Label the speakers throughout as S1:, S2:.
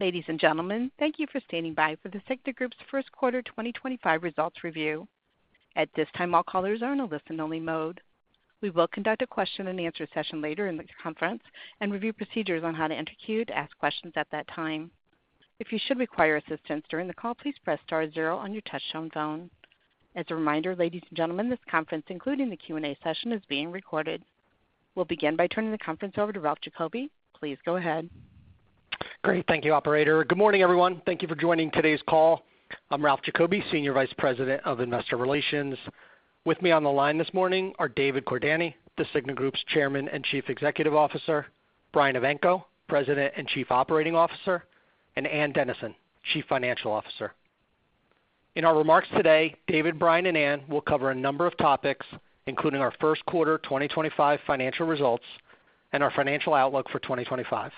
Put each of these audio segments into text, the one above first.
S1: Ladies and gentlemen, thank you for standing by for The Cigna Group's first quarter 2025 results review. At this time, all callers are in a listen-only mode. We will conduct a question-and-answer session later in the conference and review procedures on how to enter queue to ask questions at that time. If you should require assistance during the call, please press star zero on your touch-tone phone. As a reminder, ladies and gentlemen, this conference, including the Q&A session, is being recorded. We'll begin by turning the conference over to Ralph Giacobbe. Please go ahead.
S2: Great. Thank you, Operator. Good morning, everyone. Thank you for joining today's call. I'm Ralph Giacobbe, Senior Vice President of Investor Relations. With me on the line this morning are David Cordani, The Cigna Group's Chairman and Chief Executive Officer; Brian Evanko, President and Chief Operating Officer; and Ann Dennison, Chief Financial Officer. In our remarks today, David, Brian, and Ann will cover a number of topics, including our first quarter 2025 financial results and our financial outlook for 2025.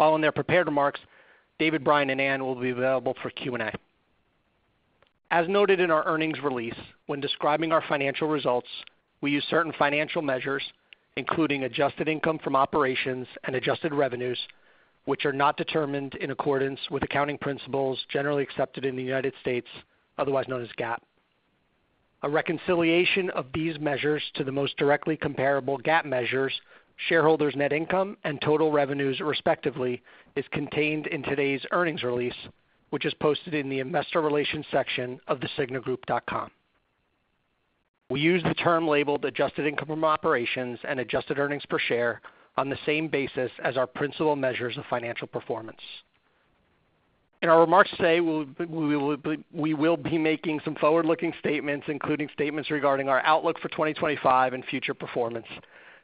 S2: Following their prepared remarks, David, Brian, and Ann will be available for Q&A. As noted in our earnings release, when describing our financial results, we use certain financial measures, including adjusted income from operations and adjusted revenues, which are not determined in accordance with accounting principles generally accepted in the United States, otherwise known as GAAP. A reconciliation of these measures to the most directly comparable GAAP measures, shareholders' net income and total revenues, respectively, is contained in today's earnings release, which is posted in the Investor Relations section of thecignagroup.com. We use the term labeled adjusted income from operations and adjusted earnings per share on the same basis as our principal measures of financial performance. In our remarks today, we will be making some forward-looking statements, including statements regarding our outlook for 2025 and future performance.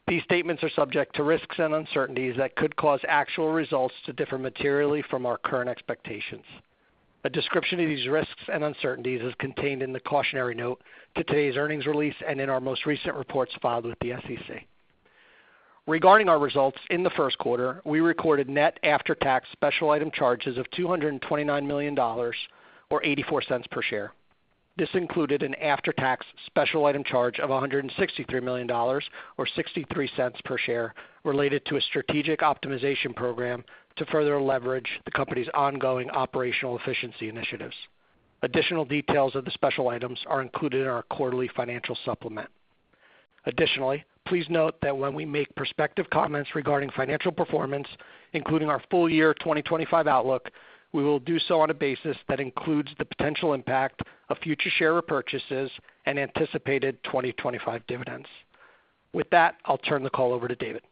S2: These statements are subject to risks and uncertainties that could cause actual results to differ materially from our current expectations. A description of these risks and uncertainties is contained in the cautionary note to today's earnings release and in our most recent reports filed with the SEC. Regarding our results in the first quarter, we recorded net after-tax special item charges of $229 million, or $0.84 per share. This included an after-tax special item charge of $163 million, or $0.63 per share, related to a strategic optimization program to further leverage the company's ongoing operational efficiency initiatives. Additional details of the special items are included in our quarterly financial supplement. Additionally, please note that when we make prospective comments regarding financial performance, including our full year 2025 outlook, we will do so on a basis that includes the potential impact of future share repurchases and anticipated 2025 dividends. With that, I'll turn the call over to David.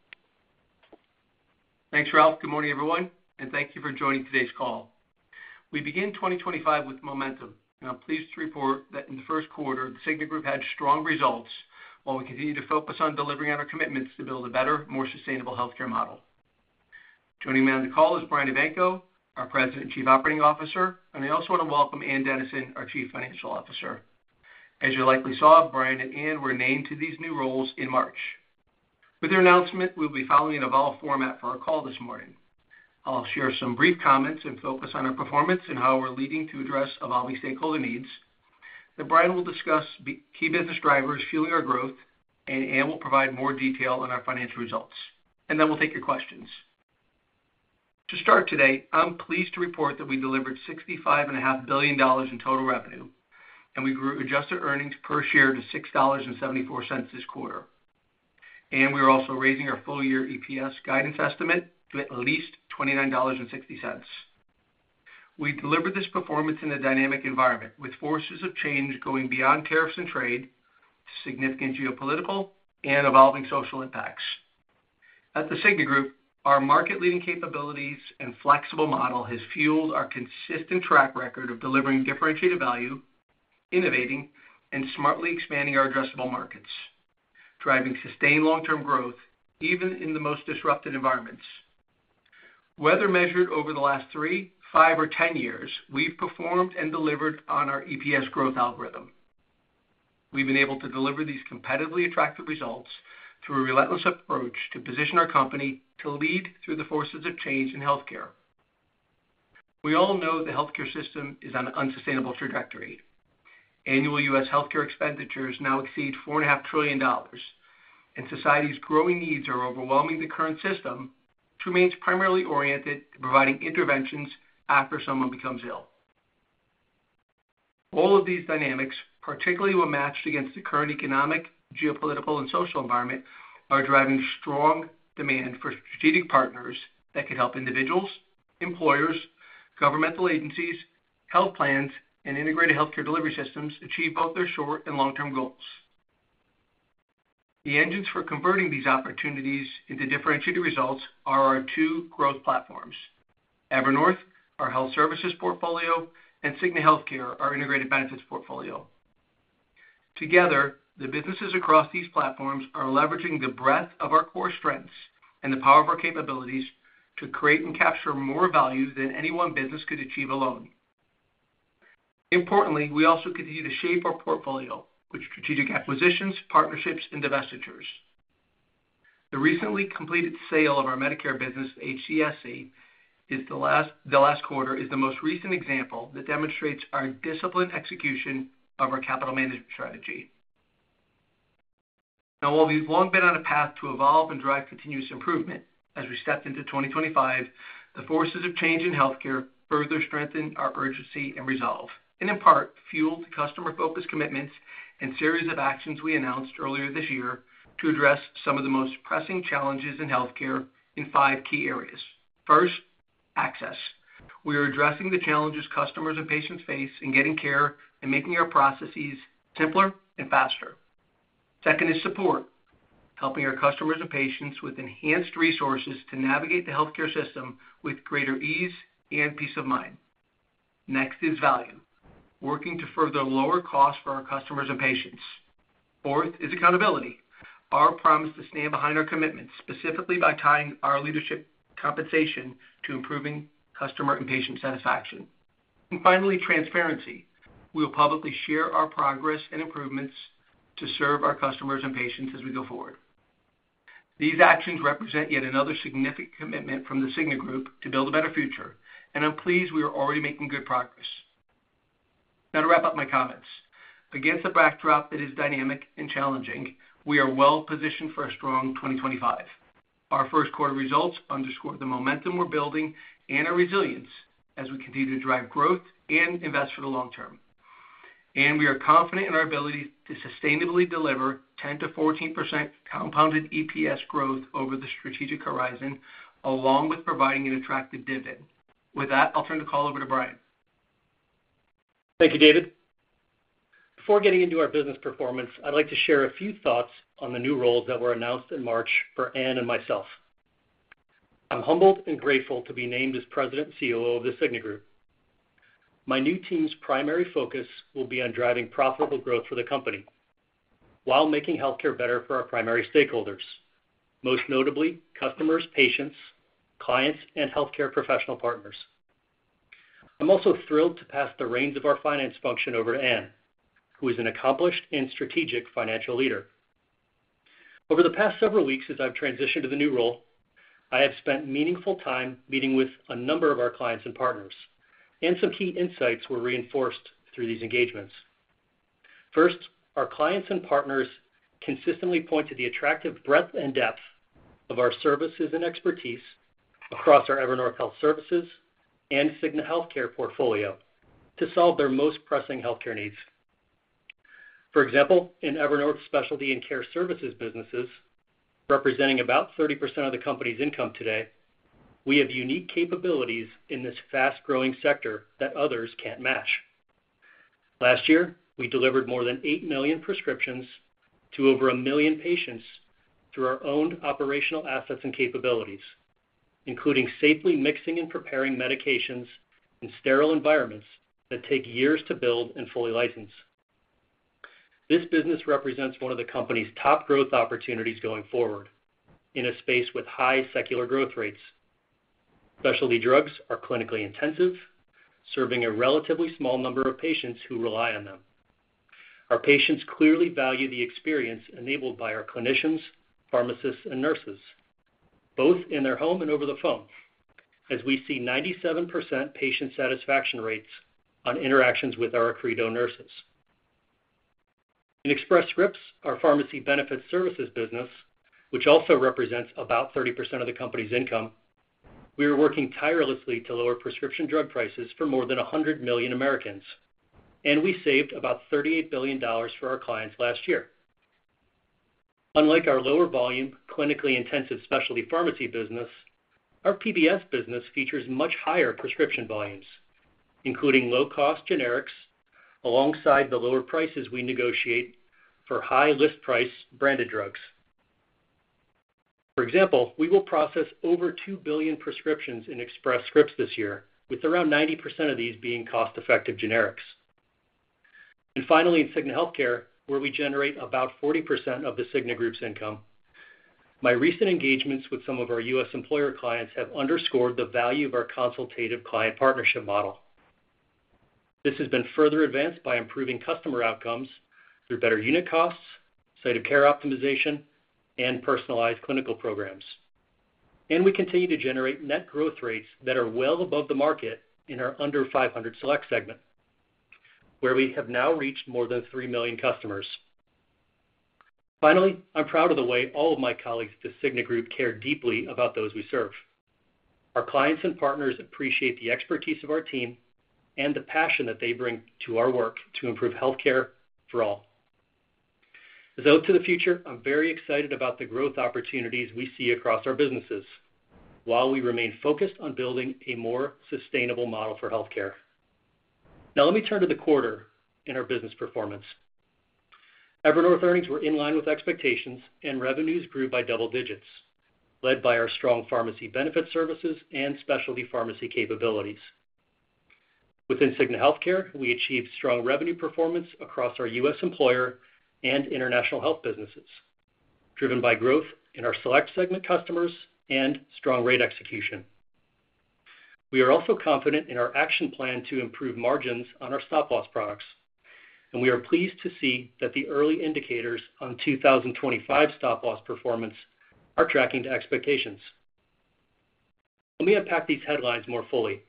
S3: Thanks, Ralph. Good morning, everyone, and thank you for joining today's call. We begin 2025 with momentum, and I'm pleased to report that in the first quarter, The Cigna Group had strong results while we continue to focus on delivering on our commitments to build a better, more sustainable healthcare model. Joining me on the call is Brian Evanko, our President and Chief Operating Officer, and I also want to welcome Ann Dennison, our Chief Financial Officer. As you likely saw, Brian and Ann were named to these new roles in March. With their announcement, we'll be following an evolved format for our call this morning. I'll share some brief comments and focus on our performance and how we're leading to address evolving stakeholder needs. Brian will discuss key business drivers fueling our growth, and Ann will provide more detail on our financial results, and then we'll take your questions. To start today, I'm pleased to report that we delivered $65.5 billion in total revenue, and we grew adjusted earnings per share to $6.74 this quarter. We are also raising our full year EPS guidance estimate to at least $29.60. We delivered this performance in a dynamic environment, with forces of change going beyond tariffs and trade to significant geopolitical and evolving social impacts. At The Cigna Group, our market-leading capabilities and flexible model have fueled our consistent track record of delivering differentiated value, innovating, and smartly expanding our addressable markets, driving sustained long-term growth even in the most disrupted environments. Whether measured over the last three, five, or 10 years, we've performed and delivered on our EPS growth algorithm. We've been able to deliver these competitively attractive results through a relentless approach to position our company to lead through the forces of change in healthcare. We all know the healthcare system is on an unsustainable trajectory. Annual U.S. healthcare expenditures now exceed $4.5 trillion, and society's growing needs are overwhelming the current system, which remains primarily oriented to providing interventions after someone becomes ill. All of these dynamics, particularly when matched against the current economic, geopolitical, and social environment, are driving strong demand for strategic partners that could help individuals, employers, governmental agencies, health plans, and integrated healthcare delivery systems achieve both their short and long-term goals. The engines for converting these opportunities into differentiated results are our two growth platforms: Evernorth, our health services portfolio, and Cigna Healthcare, our integrated benefits portfolio. Together, the businesses across these platforms are leveraging the breadth of our core strengths and the power of our capabilities to create and capture more value than any one business could achieve alone. Importantly, we also continue to shape our portfolio with strategic acquisitions, partnerships, and divestitures. The recently completed sale of our Medicare business to HCSC last quarter is the most recent example that demonstrates our disciplined execution of our capital management strategy. Now, while we've long been on a path to evolve and drive continuous improvement, as we step into 2025, the forces of change in healthcare further strengthen our urgency and resolve, and in part, fuel the customer-focused commitments and series of actions we announced earlier this year to address some of the most pressing challenges in healthcare in five key areas. First, access. We are addressing the challenges customers and patients face in getting care and making our processes simpler and faster. Second is support, helping our customers and patients with enhanced resources to navigate the healthcare system with greater ease and peace of mind. Next is value, working to further lower costs for our customers and patients. Fourth is accountability. Our promise to stand behind our commitments, specifically by tying our leadership compensation to improving customer and patient satisfaction. Finally, transparency. We will publicly share our progress and improvements to serve our customers and patients as we go forward. These actions represent yet another significant commitment from The Cigna Group to build a better future, and I'm pleased we are already making good progress. Now, to wrap up my comments. Against a backdrop that is dynamic and challenging, we are well-positioned for a strong 2025. Our first quarter results underscore the momentum we're building and our resilience as we continue to drive growth and invest for the long term. We are confident in our ability to sustainably deliver 10-14% compounded EPS growth over the strategic horizon, along with providing an attractive dividend. With that, I'll turn the call over to Brian. Thank you, David. Before getting into our business performance, I'd like to share a few thoughts on the new roles that were announced in March for Ann and myself. I'm humbled and grateful to be named as President and CEO of The Cigna Group. My new team's primary focus will be on driving profitable growth for the company while making healthcare better for our primary stakeholders, most notably customers, patients, clients, and healthcare professional partners. I'm also thrilled to pass the reins of our finance function over to Ann, who is an accomplished and strategic financial leader. Over the past several weeks, as I've transitioned to the new role, I have spent meaningful time meeting with a number of our clients and partners, and some key insights were reinforced through these engagements. First, our clients and partners consistently point to the attractive breadth and depth of our services and expertise across our Evernorth Health Services and Cigna Healthcare portfolio to solve their most pressing healthcare needs. For example, in Evernorth's specialty and care services businesses, representing about 30% of the company's income today, we have unique capabilities in this fast-growing sector that others can't match. Last year, we delivered more than 8 million prescriptions to over a million patients through our owned operational assets and capabilities, including safely mixing and preparing medications in sterile environments that take years to build and fully license. This business represents one of the company's top growth opportunities going forward in a space with high secular growth rates. Specialty drugs are clinically intensive, serving a relatively small number of patients who rely on them. Our patients clearly value the experience enabled by our clinicians, pharmacists, and nurses, both in their home and over the phone, as we see 97% patient satisfaction rates on interactions with our accredited nurses. In Express Scripts, our pharmacy benefits services business, which also represents about 30% of the company's income, we are working tirelessly to lower prescription drug prices for more than 100 million Americans, and we saved about $38 billion for our clients last year. Unlike our lower volume, clinically intensive specialty pharmacy business, our PBS business features much higher prescription volumes, including low-cost generics, alongside the lower prices we negotiate for high list price branded drugs. For example, we will process over 2 billion prescriptions in Express Scripts this year, with around 90% of these being cost-effective generics. Finally, in Cigna Healthcare, where we generate about 40% of the Cigna Group's income, my recent engagements with some of our U.S. employer clients have underscored the value of our consultative client partnership model. This has been further advanced by improving customer outcomes through better unit costs, site of care optimization, and personalized clinical programs. We continue to generate net growth rates that are well above the market in our under-500 select segment, where we have now reached more than 3 million customers. Finally, I'm proud of the way all of my colleagues at The Cigna Group care deeply about those we serve. Our clients and partners appreciate the expertise of our team and the passion that they bring to our work to improve healthcare for all. As I look to the future, I'm very excited about the growth opportunities we see across our businesses while we remain focused on building a more sustainable model for healthcare. Now, let me turn to the quarter in our business performance. Evernorth's earnings were in line with expectations, and revenues grew by double digits, led by our strong pharmacy benefits services and specialty pharmacy capabilities. Within Cigna Healthcare, we achieved strong revenue performance across our U.S. employer and international health businesses, driven by growth in our select segment customers and strong rate execution. We are also confident in our action plan to improve margins on our stop-loss products, and we are pleased to see that the early indicators on 2025 stop-loss performance are tracking to expectations. Let me unpack these headlines more fully.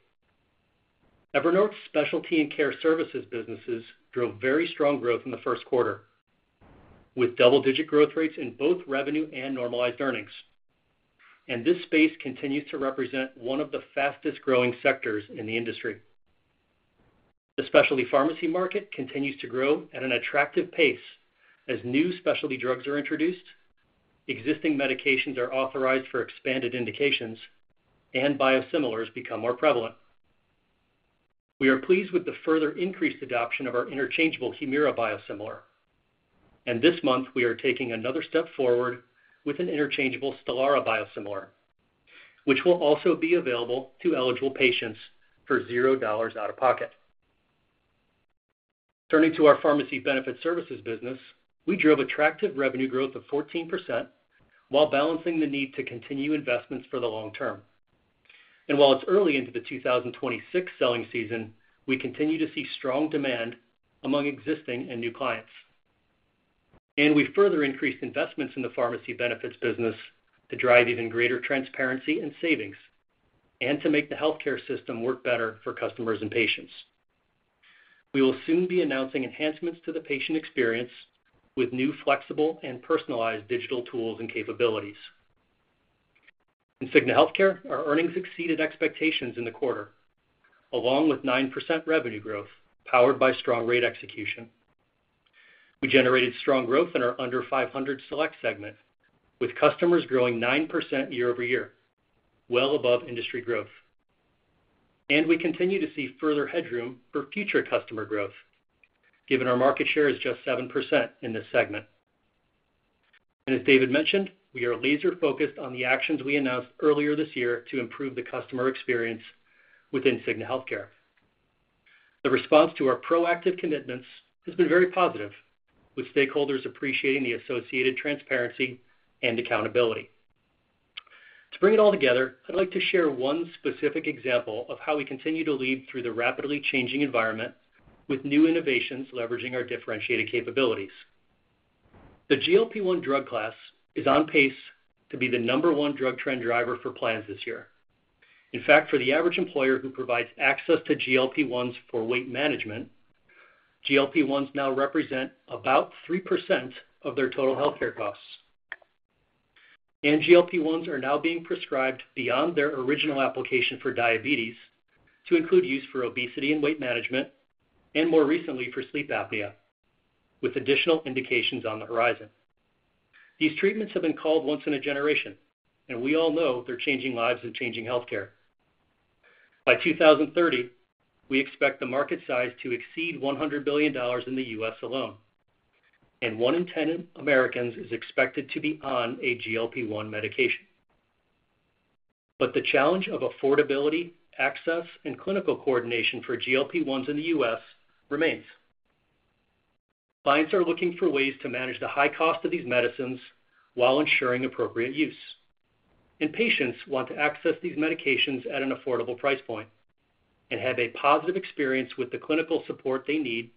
S3: Evernorth's specialty and care services businesses drove very strong growth in the first quarter, with double-digit growth rates in both revenue and normalized earnings, and this space continues to represent one of the fastest-growing sectors in the industry. The specialty pharmacy market continues to grow at an attractive pace as new specialty drugs are introduced, existing medications are authorized for expanded indications, and biosimilars become more prevalent. We are pleased with the further increased adoption of our interchangeable Humira biosimilar, and this month we are taking another step forward with an interchangeable Stelara biosimilar, which will also be available to eligible patients for $0 out of pocket. Turning to our pharmacy benefits services business, we drove attractive revenue growth of 14% while balancing the need to continue investments for the long term. While it is early into the 2026 selling season, we continue to see strong demand among existing and new clients. We further increased investments in the pharmacy benefits business to drive even greater transparency and savings, and to make the healthcare system work better for customers and patients. We will soon be announcing enhancements to the patient experience with new flexible and personalized digital tools and capabilities. In Cigna Healthcare, our earnings exceeded expectations in the quarter, along with 9% revenue growth powered by strong rate execution. We generated strong growth in our under-500 select segment, with customers growing 9% year-over-year, well above industry growth. We continue to see further headroom for future customer growth, given our market share is just 7% in this segment. As David mentioned, we are laser-focused on the actions we announced earlier this year to improve the customer experience within Cigna Healthcare. The response to our proactive commitments has been very positive, with stakeholders appreciating the associated transparency and accountability. To bring it all together, I'd like to share one specific example of how we continue to lead through the rapidly changing environment with new innovations leveraging our differentiated capabilities. The GLP-1 drug class is on pace to be the number one drug trend driver for plans this year. In fact, for the average employer who provides access to GLP-1s for weight management, GLP-1s now represent about 3% of their total healthcare costs. GLP-1s are now being prescribed beyond their original application for diabetes to include use for obesity and weight management, and more recently for sleep apnea, with additional indications on the horizon. These treatments have been called once in a generation, and we all know they're changing lives and changing healthcare. By 2030, we expect the market size to exceed $100 billion in the U.S. Alone, and one in ten Americans is expected to be on a GLP-1 medication. The challenge of affordability, access, and clinical coordination for GLP-1s in the U.S. remains. Clients are looking for ways to manage the high cost of these medicines while ensuring appropriate use. Patients want to access these medications at an affordable price point and have a positive experience with the clinical support they need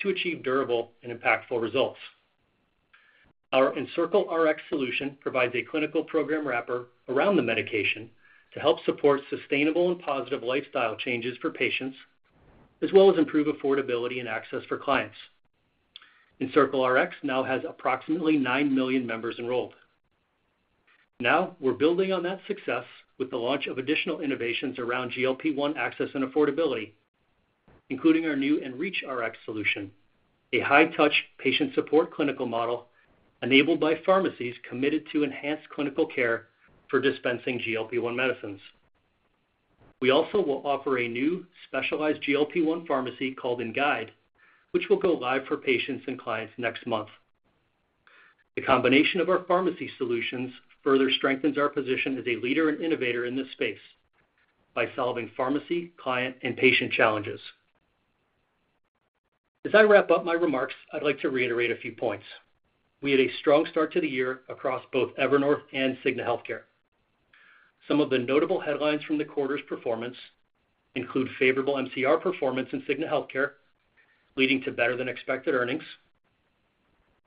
S3: to achieve durable and impactful results. Our EncircleRx solution provides a clinical program wrapper around the medication to help support sustainable and positive lifestyle changes for patients, as well as improve affordability and access for clients. EncircleRx now has approximately 9 million members enrolled. Now, we're building on that success with the launch of additional innovations around GLP-1 access and affordability, including our new EnReachRx solution, a high-touch patient support clinical model enabled by pharmacies committed to enhanced clinical care for dispensing GLP-1 medicines. We also will offer a new specialized GLP-1 pharmacy called EnGuide, which will go live for patients and clients next month. The combination of our pharmacy solutions further strengthens our position as a leader and innovator in this space by solving pharmacy, client, and patient challenges. As I wrap up my remarks, I'd like to reiterate a few points. We had a strong start to the year across both Evernorth and Cigna Healthcare. Some of the notable headlines from the quarter's performance include favorable MCR performance in Cigna Healthcare, leading to better-than-expected earnings,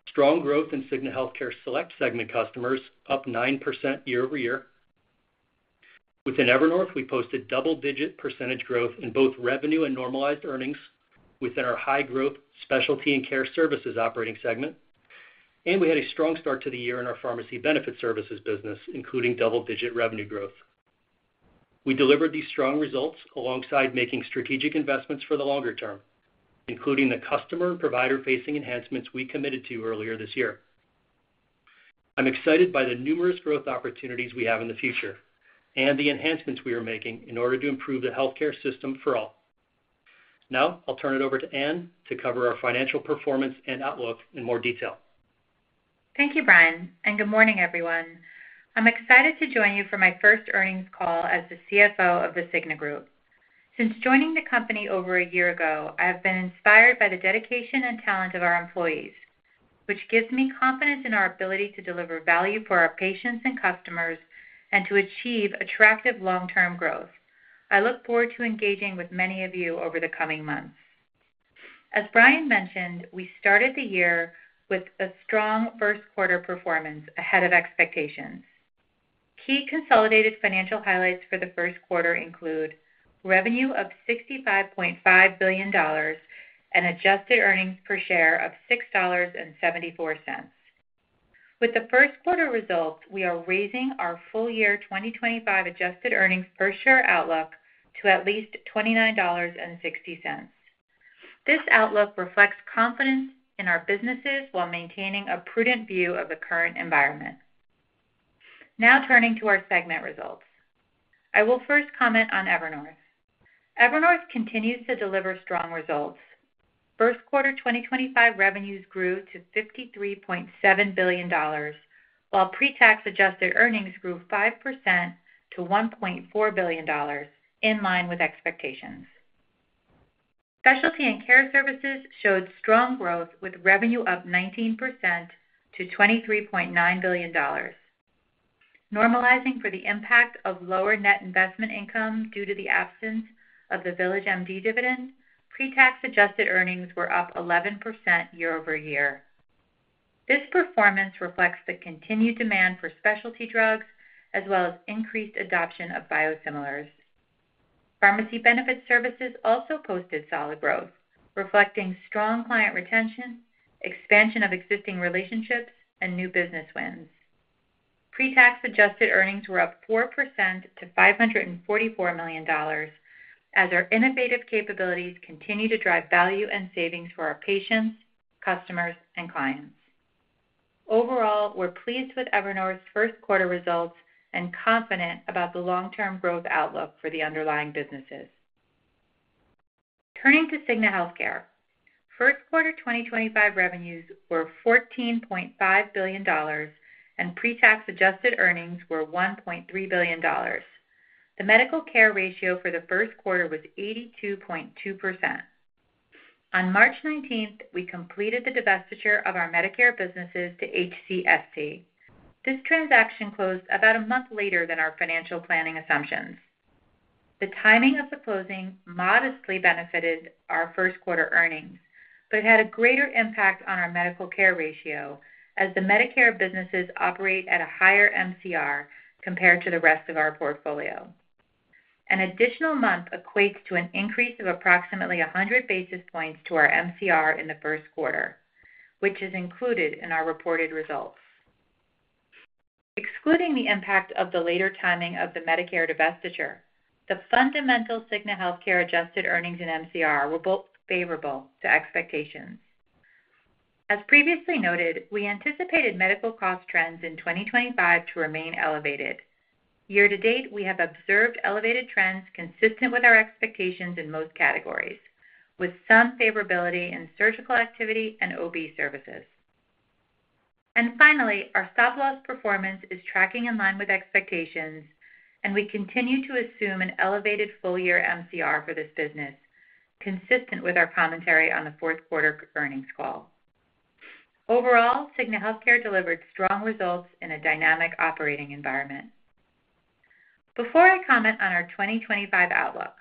S3: strong growth in Cigna Healthcare select segment customers, up 9% year-over-year. Within Evernorth, we posted double-digit % growth in both revenue and normalized earnings within our high-growth specialty and care services operating segment, and we had a strong start to the year in our pharmacy benefits services business, including double-digit % revenue growth. We delivered these strong results alongside making strategic investments for the longer term, including the customer and provider-facing enhancements we committed to earlier this year. I'm excited by the numerous growth opportunities we have in the future and the enhancements we are making in order to improve the healthcare system for all. Now, I'll turn it over to Ann to cover our financial performance and outlook in more detail.
S4: Thank you, Brian, and good morning, everyone. I'm excited to join you for my first earnings call as the CFO of The Cigna Group. Since joining the company over a year ago, I have been inspired by the dedication and talent of our employees, which gives me confidence in our ability to deliver value for our patients and customers and to achieve attractive long-term growth. I look forward to engaging with many of you over the coming months. As Brian mentioned, we started the year with a strong first-quarter performance ahead of expectations. Key consolidated financial highlights for the first quarter include revenue of $65.5 billion and adjusted earnings per share of $6.74. With the first-quarter results, we are raising our full-year 2025 adjusted earnings per share outlook to at least $29.60. This outlook reflects confidence in our businesses while maintaining a prudent view of the current environment. Now, turning to our segment results, I will first comment on Evernorth. Evernorth continues to deliver strong results. First quarter 2025 revenues grew to $53.7 billion, while pre-tax adjusted earnings grew 5% to $1.4 billion, in line with expectations. Specialty and care services showed strong growth, with revenue up 19% to $23.9 billion. Normalizing for the impact of lower net investment income due to the absence of the VillageMD dividend, pre-tax adjusted earnings were up 11% year-over-year. This performance reflects the continued demand for specialty drugs, as well as increased adoption of biosimilars. Pharmacy benefits services also posted solid growth, reflecting strong client retention, expansion of existing relationships, and new business wins. Pre-tax adjusted earnings were up 4% to $544 million, as our innovative capabilities continue to drive value and savings for our patients, customers, and clients. Overall, we're pleased with Evernorth's first-quarter results and confident about the long-term growth outlook for the underlying businesses. Turning to Cigna Healthcare, first quarter 2025 revenues were $14.5 billion, and pre-tax adjusted earnings were $1.3 billion. The medical care ratio for the first quarter was 82.2%. On March 19th, we completed the divestiture of our Medicare businesses to HCSC. This transaction closed about a month later than our financial planning assumptions. The timing of the closing modestly benefited our first-quarter earnings, but it had a greater impact on our medical care ratio, as the Medicare businesses operate at a higher MCR compared to the rest of our portfolio. An additional month equates to an increase of approximately 100 basis points to our MCR in the first quarter, which is included in our reported results. Excluding the impact of the later timing of the Medicare divestiture, the fundamental Cigna Healthcare adjusted earnings and MCR were both favorable to expectations. As previously noted, we anticipated medical cost trends in 2025 to remain elevated. Year to date, we have observed elevated trends consistent with our expectations in most categories, with some favorability in surgical activity and OB services. Finally, our stop-loss performance is tracking in line with expectations, and we continue to assume an elevated full-year MCR for this business, consistent with our commentary on the fourth-quarter earnings call. Overall, Cigna Healthcare delivered strong results in a dynamic operating environment. Before I comment on our 2025 outlook,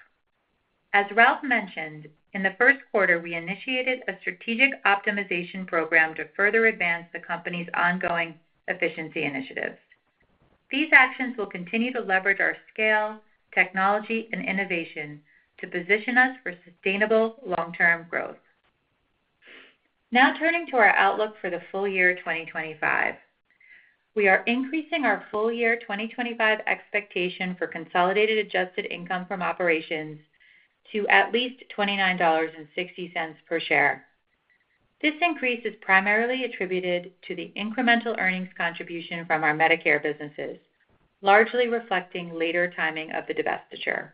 S4: as Ralph mentioned, in the first quarter, we initiated a strategic optimization program to further advance the company's ongoing efficiency initiatives. These actions will continue to leverage our scale, technology, and innovation to position us for sustainable long-term growth. Now, turning to our outlook for the full year 2025, we are increasing our full-year 2025 expectation for consolidated adjusted income from operations to at least $29.60 per share. This increase is primarily attributed to the incremental earnings contribution from our Medicare businesses, largely reflecting later timing of the divestiture.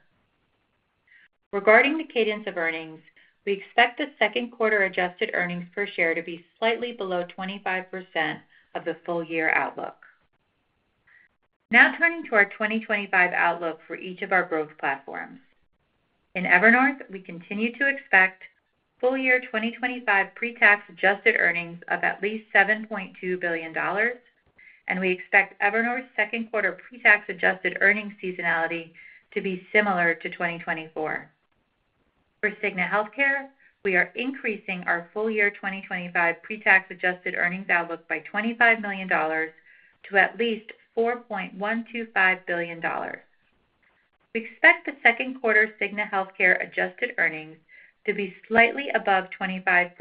S4: Regarding the cadence of earnings, we expect the second quarter adjusted earnings per share to be slightly below 25% of the full-year outlook. Now, turning to our 2025 outlook for each of our growth platforms. In Evernorth, we continue to expect full-year 2025 pre-tax adjusted earnings of at least $7.2 billion, and we expect Evernorth's second quarter pre-tax adjusted earnings seasonality to be similar to 2024. For Cigna Healthcare, we are increasing our full-year 2025 pre-tax adjusted earnings outlook by $25 million to at least $4.125 billion. We expect the second quarter Cigna Healthcare adjusted earnings to be slightly above 25%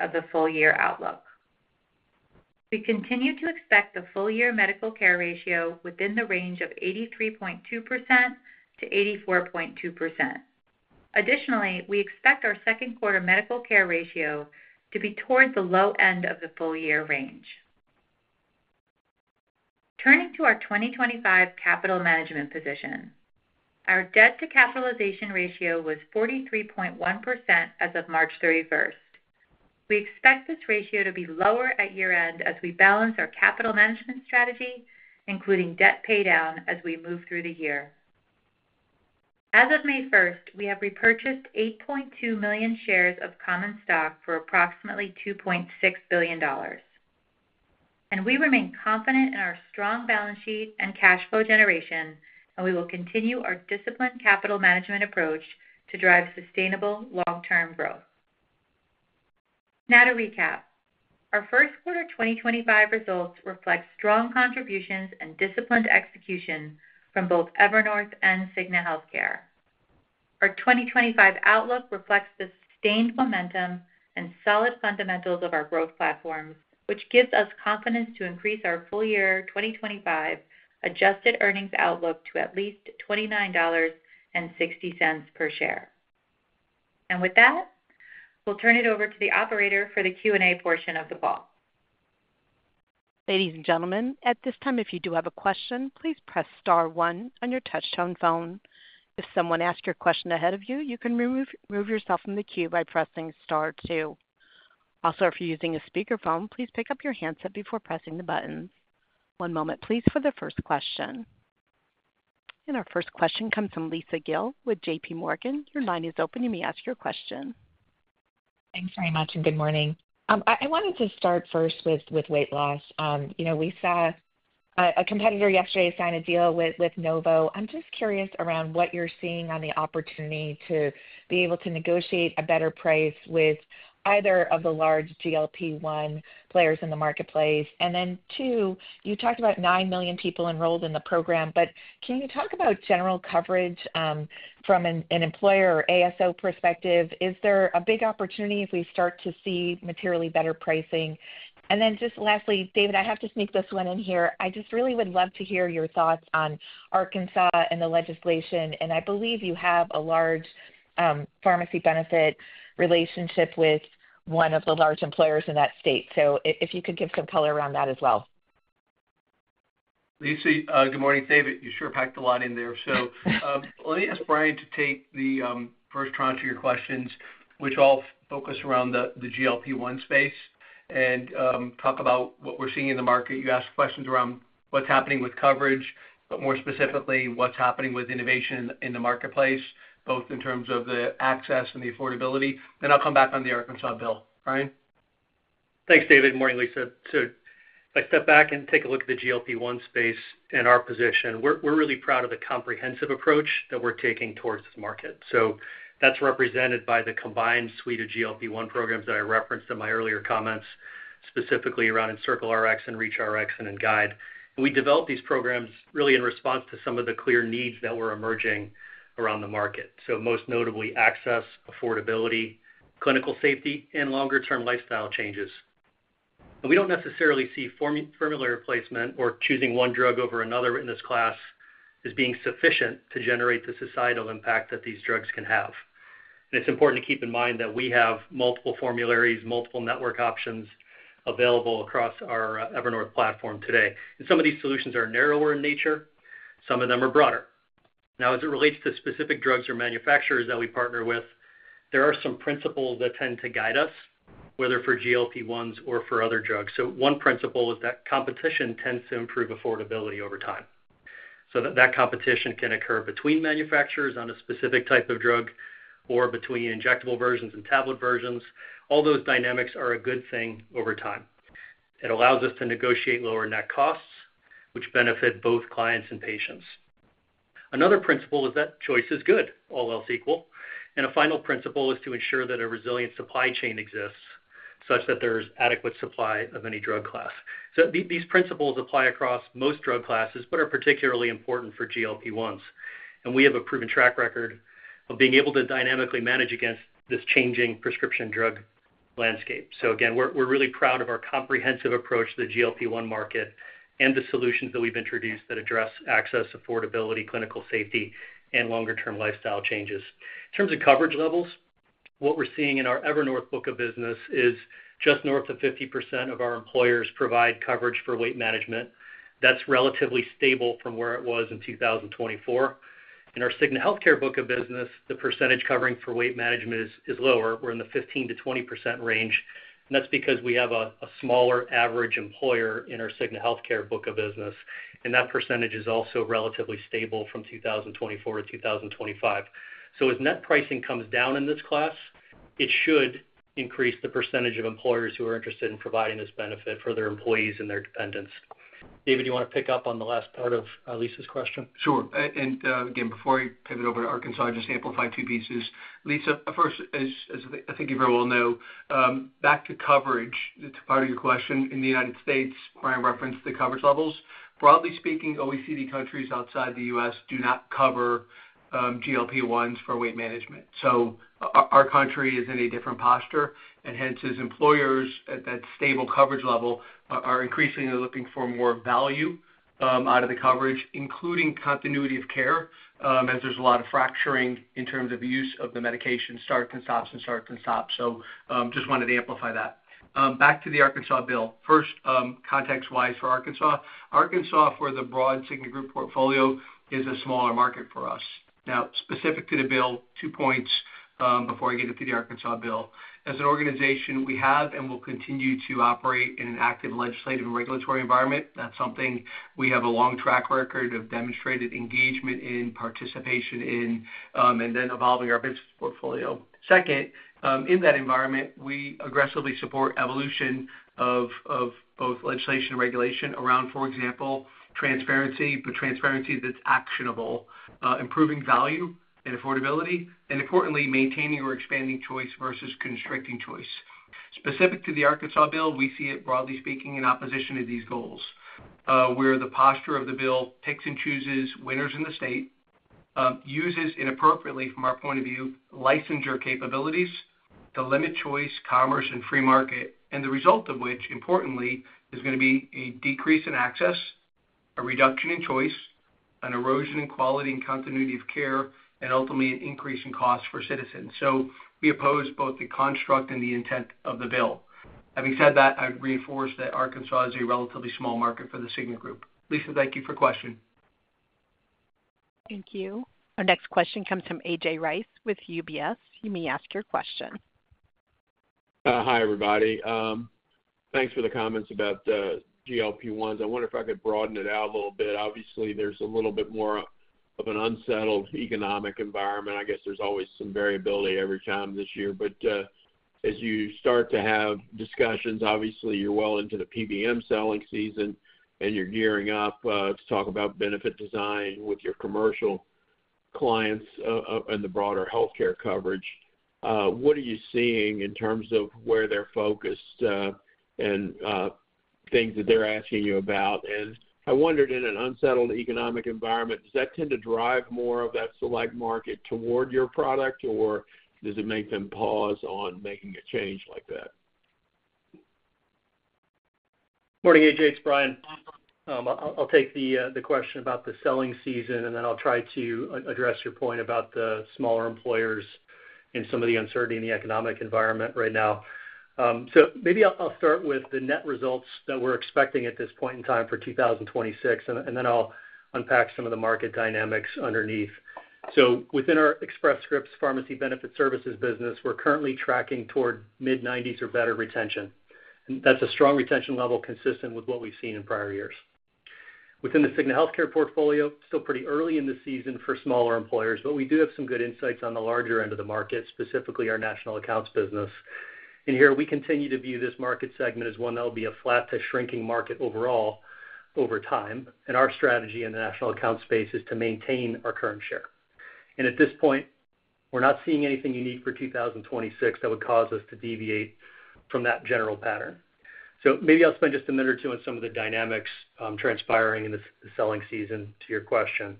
S4: of the full-year outlook. We continue to expect the full-year medical care ratio within the range of 83.2%-84.2%. Additionally, we expect our second quarter medical care ratio to be toward the low end of the full-year range. Turning to our 2025 capital management position, our debt-to-capitalization ratio was 43.1% as of March 31. We expect this ratio to be lower at year-end as we balance our capital management strategy, including debt paydown, as we move through the year. As of May 1, we have repurchased 8.2 million shares of common stock for approximately $2.6 billion. We remain confident in our strong balance sheet and cash flow generation, and we will continue our disciplined capital management approach to drive sustainable long-term growth. Now, to recap, our first quarter 2025 results reflect strong contributions and disciplined execution from both Evernorth and Cigna Healthcare. Our 2025 outlook reflects the sustained momentum and solid fundamentals of our growth platforms, which gives us confidence to increase our full-year 2025 adjusted earnings outlook to at least $29.60 per share. With that, we'll turn it over to the operator for the Q&A portion of the call.
S1: Ladies and gentlemen, at this time, if you do have a question, please press star one on your touch phone. If someone asked your question ahead of you, you can remove yourself from the queue by pressing star two. Also, if you're using a speakerphone, please pick up your handset before pressing the button. One moment, please, for the first question. Our first question comes from Lisa Gill with JPMorgan. Your line is open. You may ask your question.
S5: Thanks very much, and good morning. I wanted to start first with weight loss. You know, we saw a competitor yesterday sign a deal with Novo. I'm just curious around what you're seeing on the opportunity to be able to negotiate a better price with either of the large GLP-1 players in the marketplace. Two, you talked about 9 million people enrolled in the program, but can you talk about general coverage from an employer or ASO perspective? Is there a big opportunity if we start to see materially better pricing? Lastly, David, I have to sneak this one in here. I just really would love to hear your thoughts on Arkansas and the legislation. I believe you have a large pharmacy benefit relationship with one of the large employers in that state. If you could give some color around that as well.
S3: Lisa, good morning. David, you sure packed a lot in there. Let me ask Brian to take the first round of your questions, which all focus around the GLP-1 space, and talk about what we're seeing in the market. You asked questions around what's happening with coverage, but more specifically, what's happening with innovation in the marketplace, both in terms of the access and the affordability. I will come back on the Arkansas bill. Brian?
S6: Thanks, David. Good morning, Lisa. If I step back and take a look at the GLP-1 space and our position, we're really proud of the comprehensive approach that we're taking towards this market. That is represented by the combined suite of GLP-1 programs that I referenced in my earlier comments, specifically around EncircleRx, EnreachRx, and EnGuide. We developed these programs in response to some of the clear needs that were emerging around the market. Most notably, access, affordability, clinical safety, and longer-term lifestyle changes. We do not necessarily see formulary replacement or choosing one drug over another in this class as being sufficient to generate the societal impact that these drugs can have. It is important to keep in mind that we have multiple formularies, multiple network options available across our Evernorth platform today. Some of these solutions are narrower in nature. Some of them are broader. Now, as it relates to specific drugs or manufacturers that we partner with, there are some principles that tend to guide us, whether for GLP-1s or for other drugs. One principle is that competition tends to improve affordability over time. That competition can occur between manufacturers on a specific type of drug or between injectable versions and tablet versions. All those dynamics are a good thing over time. It allows us to negotiate lower net costs, which benefit both clients and patients. Another principle is that choice is good, all else equal. A final principle is to ensure that a resilient supply chain exists such that there is adequate supply of any drug class. These principles apply across most drug classes, but are particularly important for GLP-1s. We have a proven track record of being able to dynamically manage against this changing prescription drug landscape. We are really proud of our comprehensive approach to the GLP-1 market and the solutions that we have introduced that address access, affordability, clinical safety, and longer-term lifestyle changes. In terms of coverage levels, what we are seeing in our Evernorth book of business is just north of 50% of our employers provide coverage for weight management. That is relatively stable from where it was in 2024. In our Cigna Healthcare book of business, the percentage covering for weight management is lower. We are in the 15%-20% range. That is because we have a smaller average employer in our Cigna Healthcare book of business. That percentage is also relatively stable from 2024-2025. As net pricing comes down in this class, it should increase the percentage of employers who are interested in providing this benefit for their employees and their dependents. David, do you want to pick up on the last part of Lisa's question?
S3: Sure. Before I pivot over to Arkansas, I just amplify two pieces. Lisa, first, as I think you very well know, back to coverage, to part of your question, in the U.S., Brian referenced the coverage levels. Broadly speaking, OECD countries outside the U.S. do not cover GLP-1s for weight management. Our country is in a different posture. Hence, as employers at that stable coverage level are increasingly looking for more value out of the coverage, including continuity of care, as there is a lot of fracturing in terms of use of the medication, starts and stops and starts and stops. I just wanted to amplify that. Back to the Arkansas bill. First, context-wise for Arkansas, Arkansas for the broad Cigna Group portfolio is a smaller market for us. Now, specific to the bill, two points before I get into the Arkansas bill. As an organization, we have and will continue to operate in an active legislative and regulatory environment. That's something we have a long track record of demonstrated engagement in, participation in, and then evolving our business portfolio. Second, in that environment, we aggressively support evolution of both legislation and regulation around, for example, transparency, but transparency that's actionable, improving value and affordability, and importantly, maintaining or expanding choice versus constricting choice. Specific to the Arkansas bill, we see it, broadly speaking, in opposition to these goals, where the posture of the bill picks and chooses winners in the state, uses inappropriately, from our point of view, licensure capabilities to limit choice, commerce, and free market, and the result of which, importantly, is going to be a decrease in access, a reduction in choice, an erosion in quality and continuity of care, and ultimately an increase in cost for citizens. We oppose both the construct and the intent of the bill. Having said that, I would reinforce that Arkansas is a relatively small market for The Cigna Group. Lisa, thank you for the question.
S1: Thank you. Our next question comes from A.J. Rice with UBS. You may ask your question.
S7: Hi, everybody. Thanks for the comments about the GLP-1s. I wonder if I could broaden it out a little bit. Obviously, there's a little bit more of an unsettled economic environment. I guess there's always some variability every time this year. As you start to have discussions, obviously, you're well into the PBM selling season and you're gearing up to talk about benefit design with your commercial clients and the broader healthcare coverage. What are you seeing in terms of where they're focused and things that they're asking you about? I wondered, in an unsettled economic environment, does that tend to drive more of that select market toward your product, or does it make them pause on making a change like that?
S6: Morning, A.J. It's Brian. I'll take the question about the selling season, and then I'll try to address your point about the smaller employers and some of the uncertainty in the economic environment right now. Maybe I'll start with the net results that we're expecting at this point in time for 2026, and then I'll unpack some of the market dynamics underneath. Within our Express Scripts pharmacy benefit services business, we're currently tracking toward mid-90s or better retention. That's a strong retention level consistent with what we've seen in prior years. Within the Cigna Healthcare portfolio, it's still pretty early in the season for smaller employers, but we do have some good insights on the larger end of the market, specifically our national accounts business. Here, we continue to view this market segment as one that will be a flat to shrinking market overall over time. Our strategy in the national accounts space is to maintain our current share. At this point, we're not seeing anything unique for 2026 that would cause us to deviate from that general pattern. Maybe I'll spend just a minute or two on some of the dynamics transpiring in the selling season to your question.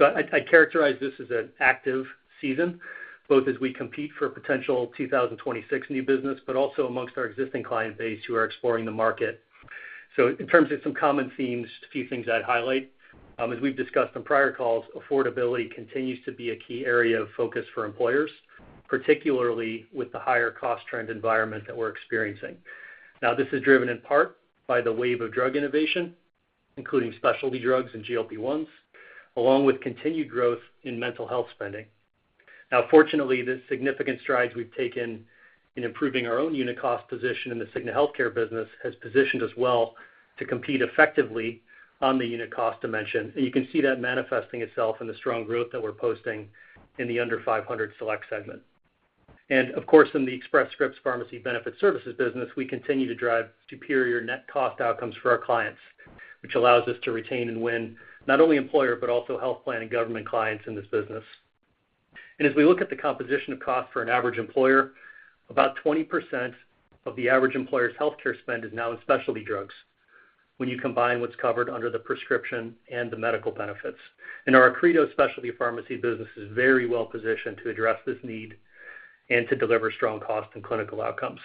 S6: I'd characterize this as an active season, both as we compete for potential 2026 new business, but also amongst our existing client base who are exploring the market. In terms of some common themes, a few things I'd highlight. As we've discussed in prior calls, affordability continues to be a key area of focus for employers, particularly with the higher cost trend environment that we're experiencing. This is driven in part by the wave of drug innovation, including specialty drugs and GLP-1s, along with continued growth in mental health spending. Now, fortunately, the significant strides we've taken in improving our own unit cost position in the Cigna Healthcare business has positioned us well to compete effectively on the unit cost dimension. You can see that manifesting itself in the strong growth that we're posting in the under-500 select segment. In the Express Scripts pharmacy benefit services business, we continue to drive superior net cost outcomes for our clients, which allows us to retain and win not only employer but also health plan and government clients in this business. As we look at the composition of cost for an average employer, about 20% of the average employer's healthcare spend is now in specialty drugs when you combine what's covered under the prescription and the medical benefits. Our Accredo specialty pharmacy business is very well positioned to address this need and to deliver strong cost and clinical outcomes.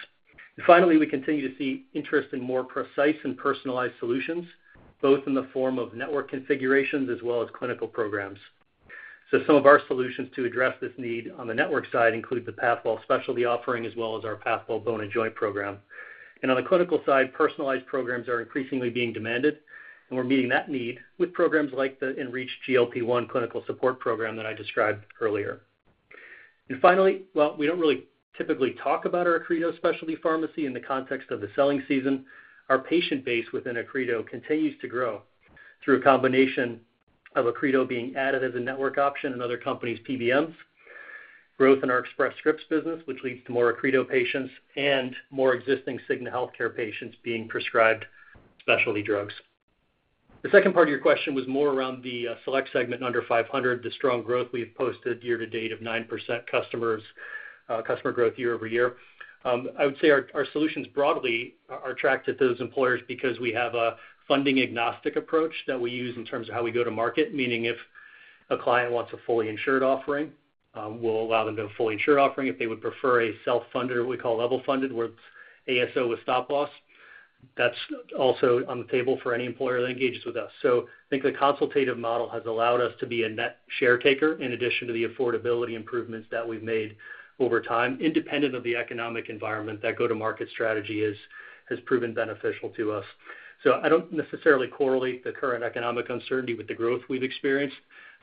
S6: Finally, we continue to see interest in more precise and personalized solutions, both in the form of network configurations as well as clinical programs. Some of our solutions to address this need on the network side include the Pathwell specialty offering as well as our Pathwell bone and joint program. On the clinical side, personalized programs are increasingly being demanded, and we're meeting that need with programs like the EnReach GLP-1 clinical support program that I described earlier. Finally, while we do not really typically talk about our Accredo specialty pharmacy in the context of the selling season, our patient base within Accredo continues to grow through a combination of Accredo being added as a network option and other companies' PBMs, growth in our Express Scripts business, which leads to more Accredo patients and more existing Cigna Healthcare patients being prescribed specialty drugs. The second part of your question was more around the select segment under 500, the strong growth we have posted year to date of 9% customer growth year-over-year. I would say our solutions broadly are tracked at those employers because we have a funding-agnostic approach that we use in terms of how we go to market, meaning if a client wants a fully insured offering, we will allow them to have a fully insured offering. If they would prefer a self-funded, what we call level funded, where it's ASO with stop-loss, that's also on the table for any employer that engages with us. I think the consultative model has allowed us to be a net share taker in addition to the affordability improvements that we've made over time, independent of the economic environment. That go-to-market strategy has proven beneficial to us. I don't necessarily correlate the current economic uncertainty with the growth we've experienced,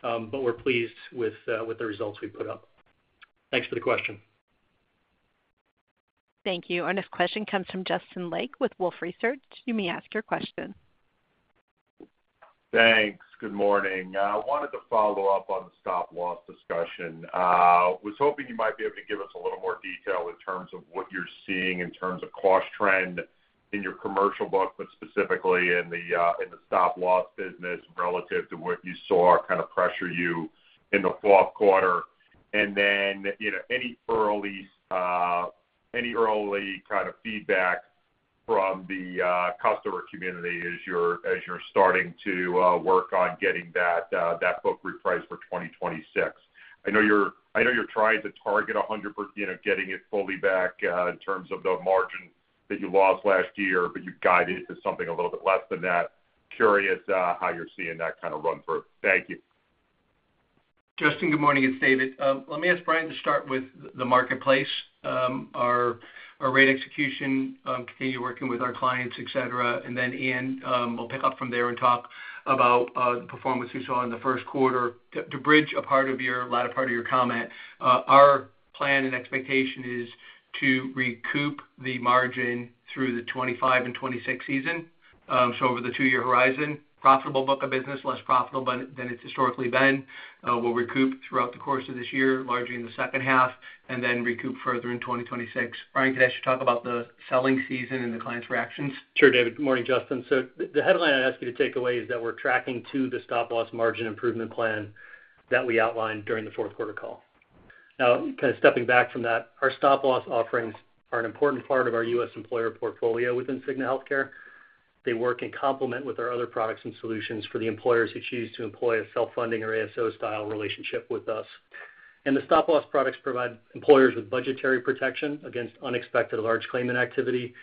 S6: but we're pleased with the results we put up. Thanks for the question.
S1: Thank you. Our next question comes from Justin Lake with Wolfe Research. You may ask your question.
S8: Thanks. Good morning. I wanted to follow up on the stop-loss discussion. I was hoping you might be able to give us a little more detail in terms of what you're seeing in terms of cost trend in your commercial book, but specifically in the stop-loss business relative to what you saw kind of pressure you in the fourth quarter. Any early kind of feedback from the customer community as you're starting to work on getting that book repriced for 2026? I know you're trying to target 100% getting it fully back in terms of the margin that you lost last year, but you've guided it to something a little bit less than that. Curious how you're seeing that kind of run through. Thank you.
S3: Justin, good morning. It's David. Let me ask Brian to start with the marketplace, our rate execution, continue working with our clients, et cetera. Ian, we'll pick up from there and talk about the performance we saw in the first quarter. To bridge a part of your latter part of your comment, our plan and expectation is to recoup the margin through the 2025 and 2026 season. Over the two-year horizon, profitable book of business, less profitable than it's historically been. We'll recoup throughout the course of this year, largely in the second half, and then recoup further in 2026. Brian, could I ask you to talk about the selling season and the client's reactions?
S6: Sure, David. Good morning, Justin. The headline I'd ask you to take away is that we're tracking to the stop-loss margin improvement plan that we outlined during the fourth quarter call. Now, kind of stepping back from that, our stop-loss offerings are an important part of our U.S. employer portfolio within Cigna Healthcare. They work in complement with our other products and solutions for the employers who choose to employ a self-funding or ASO-style relationship with us. The stop-loss products provide employers with budgetary protection against unexpected large claimant activity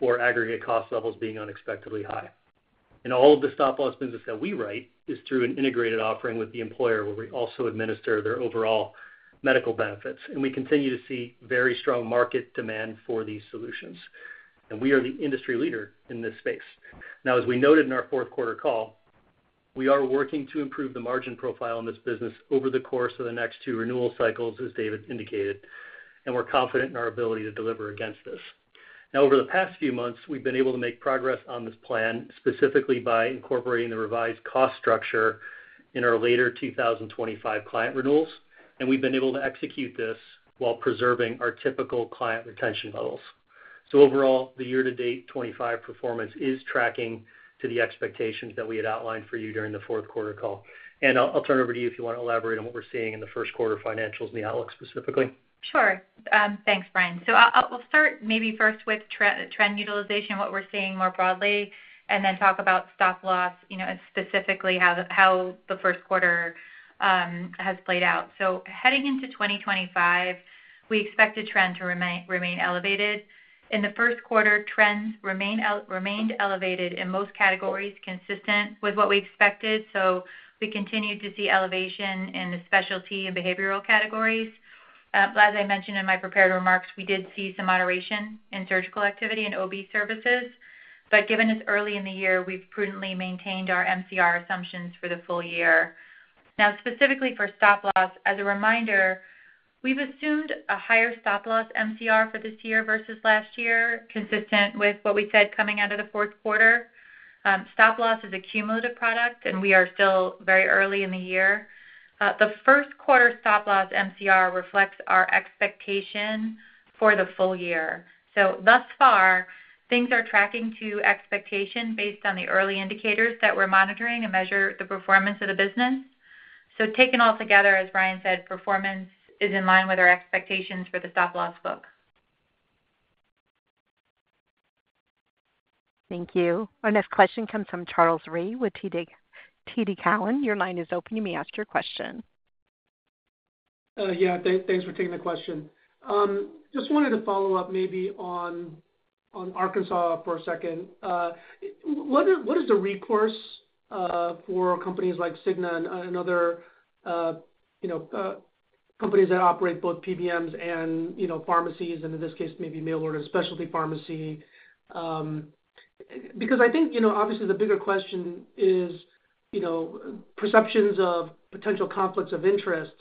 S6: or aggregate cost levels being unexpectedly high. All of the stop-loss business that we write is through an integrated offering with the employer where we also administer their overall medical benefits. We continue to see very strong market demand for these solutions. We are the industry leader in this space. As we noted in our fourth quarter call, we are working to improve the margin profile in this business over the course of the next two renewal cycles, as David indicated. We are confident in our ability to deliver against this. Over the past few months, we have been able to make progress on this plan specifically by incorporating the revised cost structure in our later 2025 client renewals. We have been able to execute this while preserving our typical client retention levels. Overall, the year-to-date 2025 performance is tracking to the expectations that we had outlined for you during the fourth quarter call. I will turn it over to you if you want to elaborate on what we are seeing in the first quarter financials and the outlook specifically.
S4: Sure. Thanks, Brian. We'll start maybe first with trend utilization, what we're seeing more broadly, and then talk about stop-loss and specifically how the first quarter has played out. Heading into 2025, we expect the trend to remain elevated. In the first quarter, trends remained elevated in most categories, consistent with what we expected. We continued to see elevation in the specialty and behavioral categories. As I mentioned in my prepared remarks, we did see some moderation in surgical activity and OB services. Given it's early in the year, we've prudently maintained our MCR assumptions for the full year. Now, specifically for stop-loss, as a reminder, we've assumed a higher stop-loss MCR for this year versus last year, consistent with what we said coming out of the fourth quarter. Stop-loss is a cumulative product, and we are still very early in the year. The first quarter stop-loss MCR reflects our expectation for the full year. Thus far, things are tracking to expectation based on the early indicators that we're monitoring to measure the performance of the business. Taken all together, as Brian said, performance is in line with our expectations for the stop-loss book.
S1: Thank you. Our next question comes from Charles Rhyee with TD Cowen. Your line is open. You may ask your question.
S9: Yeah. Thanks for taking the question. Just wanted to follow up maybe on Arkansas for a second. What is the recourse for companies like Cigna and other companies that operate both PBMs and pharmacies, and in this case, maybe Mailor and a specialty pharmacy? Because I think, obviously, the bigger question is perceptions of potential conflicts of interest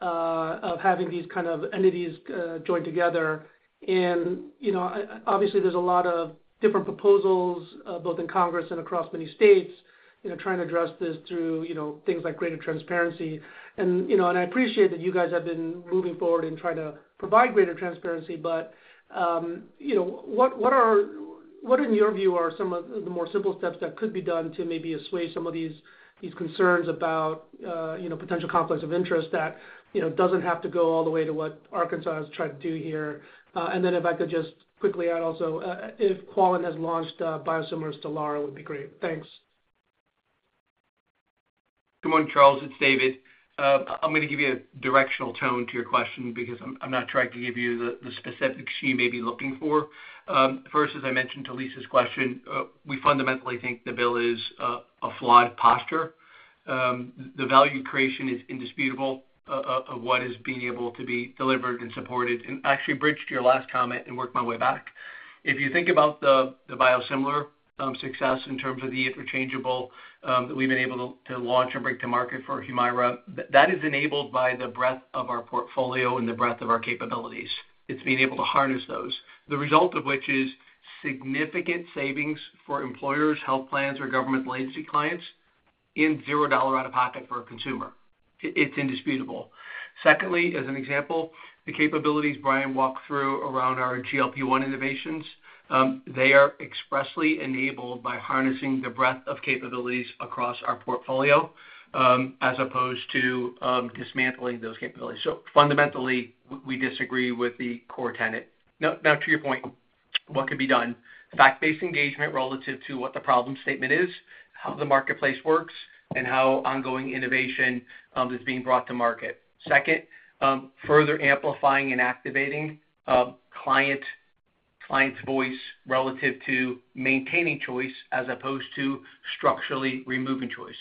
S9: of having these kind of entities joined together. Obviously, there's a lot of different proposals, both in Congress and across many states, trying to address this through things like greater transparency. I appreciate that you guys have been moving forward in trying to provide greater transparency. What, in your view, are some of the more simple steps that could be done to maybe assuage some of these concerns about potential conflicts of interest that doesn't have to go all the way to what Arkansas has tried to do here? If I could just quickly add also, if Qualen has launched biosimilars, Stelara would be great. Thanks.
S3: Good morning, Charles. It's David. I'm going to give you a directional tone to your question because I'm not trying to give you the specifics you may be looking for. First, as I mentioned to Lisa's question, we fundamentally think the bill is a flawed posture. The value creation is indisputable of what is being able to be delivered and supported and actually bridged your last comment and worked my way back. If you think about the biosimilar success in terms of the interchangeable that we've been able to launch and bring to market for Humira, that is enabled by the breadth of our portfolio and the breadth of our capabilities. It's been able to harness those, the result of which is significant savings for employers, health plans, or government-legacy clients in zero dollar out of pocket for a consumer. It's indisputable. Secondly, as an example, the capabilities Brian walked through around our GLP-1 innovations, they are expressly enabled by harnessing the breadth of capabilities across our portfolio as opposed to dismantling those capabilities. Fundamentally, we disagree with the core tenet. Now, to your point, what could be done? Fact-based engagement relative to what the problem statement is, how the marketplace works, and how ongoing innovation is being brought to market. Second, further amplifying and activating clients' voice relative to maintaining choice as opposed to structurally removing choice.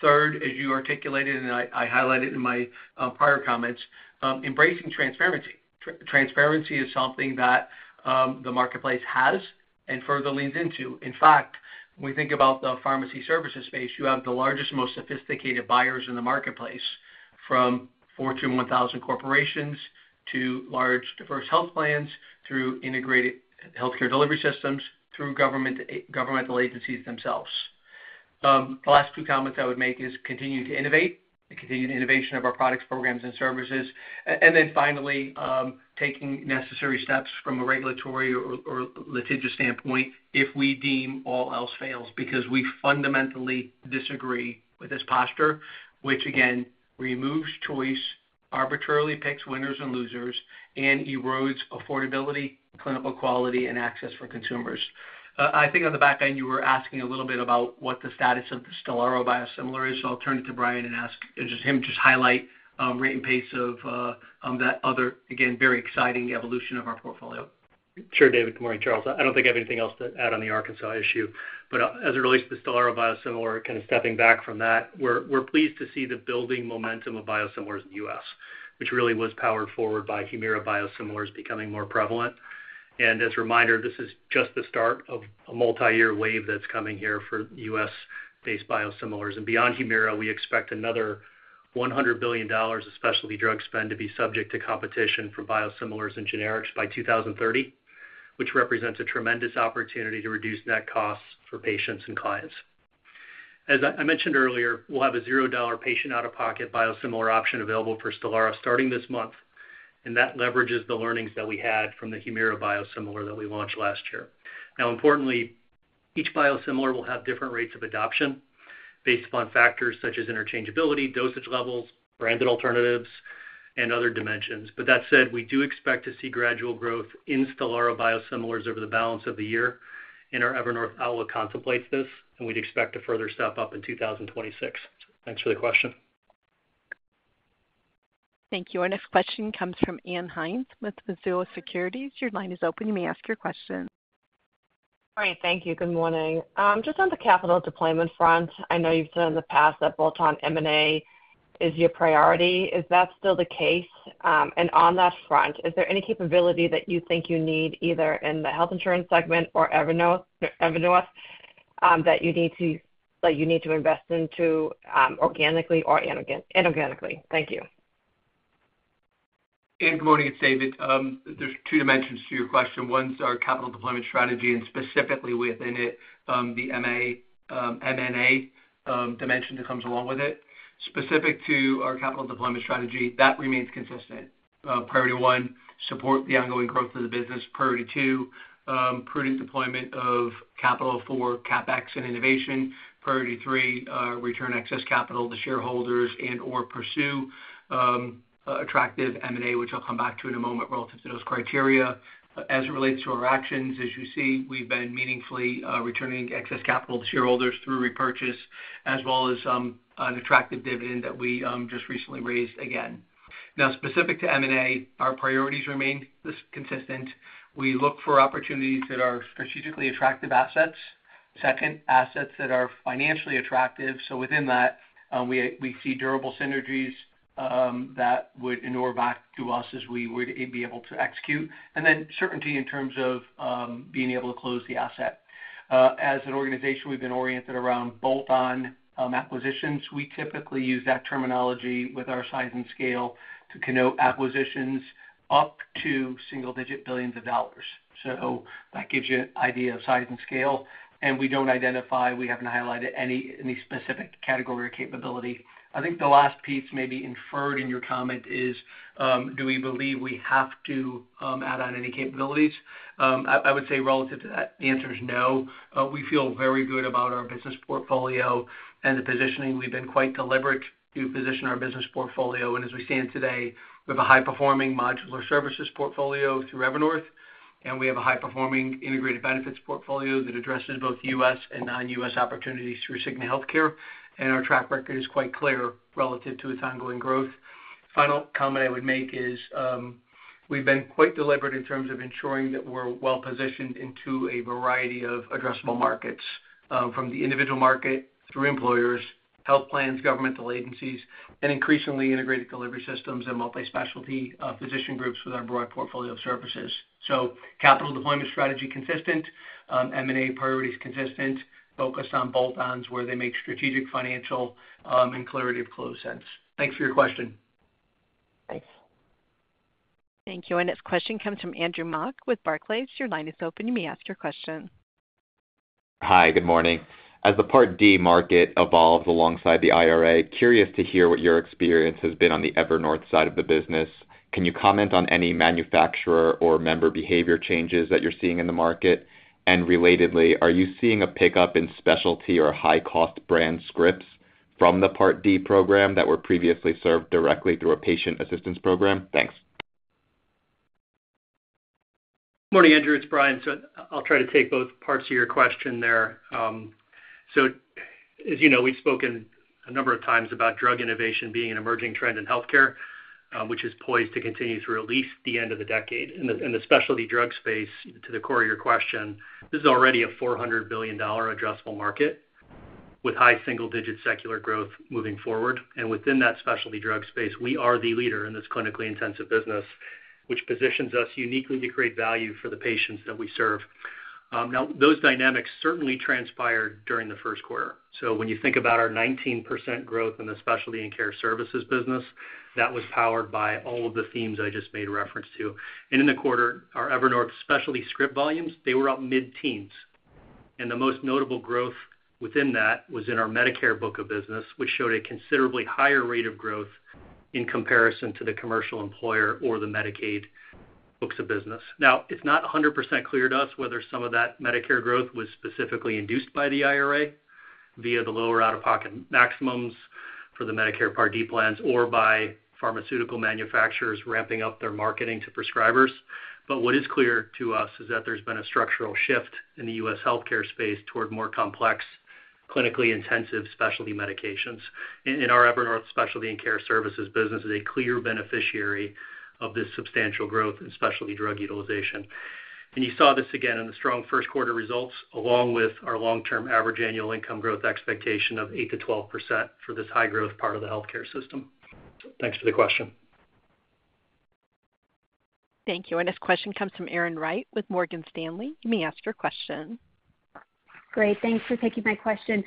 S3: Third, as you articulated, and I highlighted in my prior comments, embracing transparency. Transparency is something that the marketplace has and further leans into. In fact, when we think about the pharmacy services space, you have the largest, most sophisticated buyers in the marketplace from Fortune 1000 corporations to large diverse health plans through integrated healthcare delivery systems through governmental agencies themselves. The last two comments I would make is continue to innovate and continue the innovation of our products, programs, and services. Finally, taking necessary steps from a regulatory or litigious standpoint if we deem all else fails because we fundamentally disagree with this posture, which, again, removes choice, arbitrarily picks winners and losers, and erodes affordability, clinical quality, and access for consumers. I think on the back end, you were asking a little bit about what the status of the Stelara biosimilar is. I will turn it to Brian and ask him to just highlight rate and pace of that other, again, very exciting evolution of our portfolio.
S6: Sure, David. Good morning, Charles. I do not think I have anything else to add on the Arkansas issue. As it relates to the Stelara biosimilar, kind of stepping back from that, we're pleased to see the building momentum of biosimilars in the U.S., which really was powered forward by Humira biosimilars becoming more prevalent. As a reminder, this is just the start of a multi-year wave that's coming here for U.S.-based biosimilars. Beyond Humira, we expect another $100 billion of specialty drug spend to be subject to competition for biosimilars and generics by 2030, which represents a tremendous opportunity to reduce net costs for patients and clients. As I mentioned earlier, we'll have a zero-dollar patient-out-of-pocket biosimilar option available for Stelara starting this month. That leverages the learnings that we had from the Humira biosimilar that we launched last year. Importantly, each biosimilar will have different rates of adoption based upon factors such as interchangeability, dosage levels, branded alternatives, and other dimensions. That said, we do expect to see gradual growth in Stelara biosimilars over the balance of the year. Our Evernorth outlook contemplates this, and we'd expect a further step up in 2026. Thanks for the question.
S1: Thank you. Our next question comes from Ann Hynes with Mizuho Securities. Your line is open. You may ask your question.
S10: All right. Thank you. Good morning. Just on the capital deployment front, I know you've said in the past that bolt-on M&A is your priority. Is that still the case? On that front, is there any capability that you think you need either in the health insurance segment or Evernorth that you need to invest into organically or inorganically? Thank you.
S3: Good morning. It's David. There are two dimensions to your question. One is our capital deployment strategy, and specifically within it, the M&A dimension that comes along with it. Specific to our capital deployment strategy, that remains consistent. Priority one, support the ongoing growth of the business. Priority two, prudent deployment of capital for CapEx and innovation. Priority three, return excess capital to shareholders and/or pursue attractive M&A, which I'll come back to in a moment relative to those criteria. As it relates to our actions, as you see, we've been meaningfully returning excess capital to shareholders through repurchase, as well as an attractive dividend that we just recently raised again. Now, specific to M&A, our priorities remain consistent. We look for opportunities that are strategically attractive assets. Second, assets that are financially attractive. Within that, we see durable synergies that would inure back to us as we would be able to execute. There is certainty in terms of being able to close the asset. As an organization, we've been oriented around bolt-on acquisitions. We typically use that terminology with our size and scale to connote acquisitions up to single-digit billions of dollars. That gives you an idea of size and scale. We do not identify; we have not highlighted any specific category or capability. I think the last piece may be inferred in your comment is, do we believe we have to add on any capabilities? I would say relative to that, the answer is no. We feel very good about our business portfolio and the positioning. We've been quite deliberate to position our business portfolio. As we stand today, we have a high-performing modular services portfolio through Evernorth. We have a high-performing integrated benefits portfolio that addresses both U.S. and non-U.S. opportunities through Cigna Healthcare. Our track record is quite clear relative to its ongoing growth. The final comment I would make is we've been quite deliberate in terms of ensuring that we're well-positioned into a variety of addressable markets from the individual market through employers, health plans, governmental agencies, and increasingly integrated delivery systems and multi-specialty physician groups with our broad portfolio of services. Capital deployment strategy consistent, M&A priorities consistent, focused on bolt-ons where they make strategic financial and clarity of close sense. Thanks for your question.
S10: Thanks.
S1: Thank you. Our next question comes from Andrew Mok with Barclays. Your line is open. You may ask your question.
S11: Hi. Good morning. As the Part D market evolves alongside the IRA, curious to hear what your experience has been on the Evernorth side of the business. Can you comment on any manufacturer or member behavior changes that you're seeing in the market? Relatedly, are you seeing a pickup in specialty or high-cost brand scripts from the Part D program that were previously served directly through a patient assistance program? Thanks.
S6: Good morning, Andrew. It's Brian. I'll try to take both parts of your question there. As you know, we've spoken a number of times about drug innovation being an emerging trend in healthcare, which is poised to continue through at least the end of the decade. In the specialty drug space, to the core of your question, this is already a $400 billion addressable market with high single-digit secular growth moving forward. Within that specialty drug space, we are the leader in this clinically intensive business, which positions us uniquely to create value for the patients that we serve. Those dynamics certainly transpired during the first quarter. When you think about our 19% growth in the specialty and care services business, that was powered by all of the themes I just made reference to. In the quarter, our Evernorth specialty script volumes were up mid-teens. The most notable growth within that was in our Medicare book of business, which showed a considerably higher rate of growth in comparison to the commercial employer or the Medicaid books of business. Now, it's not 100% clear to us whether some of that Medicare growth was specifically induced by the IRA via the lower out-of-pocket maximums for the Medicare Part D plans or by pharmaceutical manufacturers ramping up their marketing to prescribers. What is clear to us is that there's been a structural shift in the U.S. healthcare space toward more complex, clinically intensive specialty medications. Our Evernorth specialty and care services business is a clear beneficiary of this substantial growth in specialty drug utilization. You saw this again in the strong first-quarter results, along with our long-term average annual income growth expectation of 8-12% for this high-growth part of the healthcare system. Thanks for the question.
S1: Thank you. Our next question comes from Erin Wright with Morgan Stanley. You may ask your question.
S12: Great. Thanks for taking my question.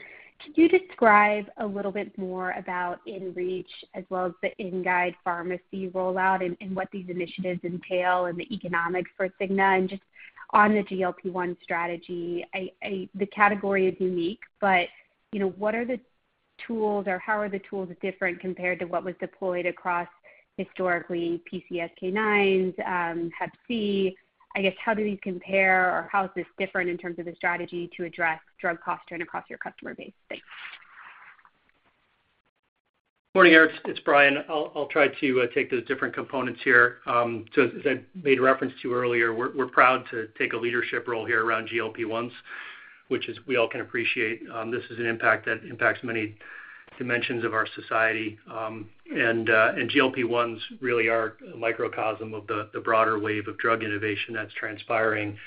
S12: Could you describe a little bit more about EnReach as well as the EnGuide pharmacy rollout and what these initiatives entail and the economics for Cigna and just on the GLP-1 strategy? The category is unique, but what are the tools or how are the tools different compared to what was deployed across historically PCSK9s, Hep C? I guess, how do these compare or how is this different in terms of the strategy to address drug cost trend across your customer base? Thanks.
S6: Good morning, Eric. It's Brian. I'll try to take the different components here. As I made reference to earlier, we're proud to take a leadership role here around GLP-1s, which we all can appreciate. This is an impact that impacts many dimensions of our society. GLP-1s really are a microcosm of the broader wave of drug innovation that's transpiring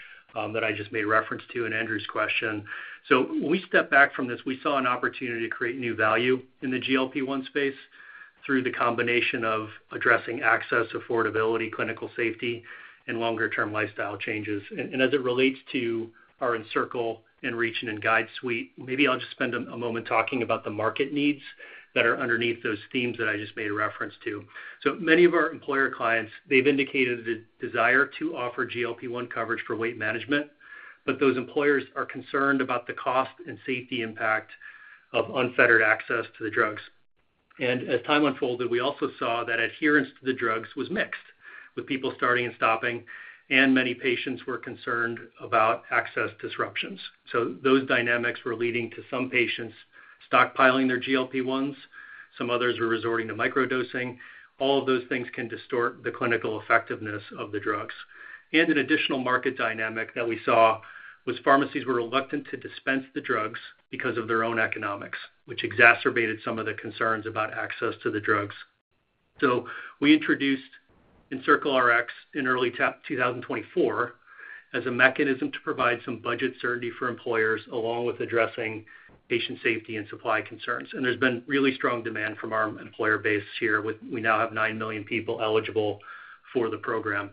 S6: that I just made reference to in Andrew's question. When we step back from this, we saw an opportunity to create new value in the GLP-1 space through the combination of addressing access, affordability, clinical safety, and longer-term lifestyle changes. As it relates to our Encircle, EnReach, and EnGuide suite, maybe I'll just spend a moment talking about the market needs that are underneath those themes that I just made reference to. Many of our employer clients, they've indicated a desire to offer GLP-1 coverage for weight management, but those employers are concerned about the cost and safety impact of unfettered access to the drugs. As time unfolded, we also saw that adherence to the drugs was mixed with people starting and stopping, and many patients were concerned about access disruptions. Those dynamics were leading to some patients stockpiling their GLP-1s. Some others were resorting to microdosing. All of those things can distort the clinical effectiveness of the drugs. An additional market dynamic that we saw was pharmacies were reluctant to dispense the drugs because of their own economics, which exacerbated some of the concerns about access to the drugs. We introduced EncircleRx in early 2024 as a mechanism to provide some budget certainty for employers along with addressing patient safety and supply concerns. There has been really strong demand from our employer base here. We now have 9 million people eligible for the program.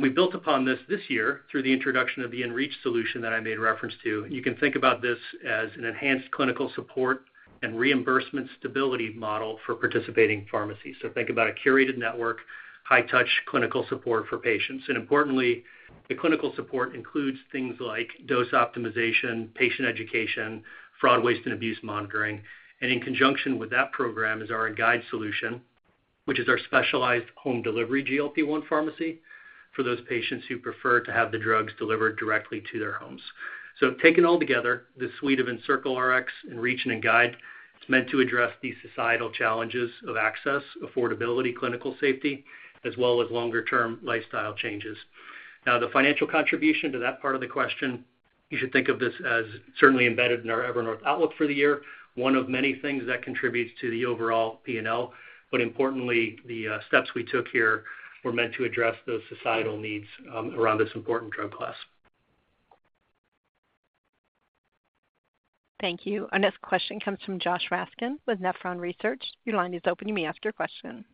S6: We built upon this this year through the introduction of the EnReachRx solution that I made reference to. You can think about this as an enhanced clinical support and reimbursement stability model for participating pharmacies. Think about a curated network, high-touch clinical support for patients. Importantly, the clinical support includes things like dose optimization, patient education, fraud, waste, and abuse monitoring. In conjunction with that program is our EnGuide solution, which is our specialized home delivery GLP-1 pharmacy for those patients who prefer to have the drugs delivered directly to their homes. Taken all together, the suite of EncircleRx, EnReachRx, and EnGuide is meant to address these societal challenges of access, affordability, clinical safety, as well as longer-term lifestyle changes. Now, the financial contribution to that part of the question, you should think of this as certainly embedded in our Evernorth outlook for the year, one of many things that contributes to the overall P&L. Importantly, the steps we took here were meant to address those societal needs around this important drug class.
S1: Thank you. Our next question comes from Joshua Raskin with Nephron Research. Your line is open. You may ask your question.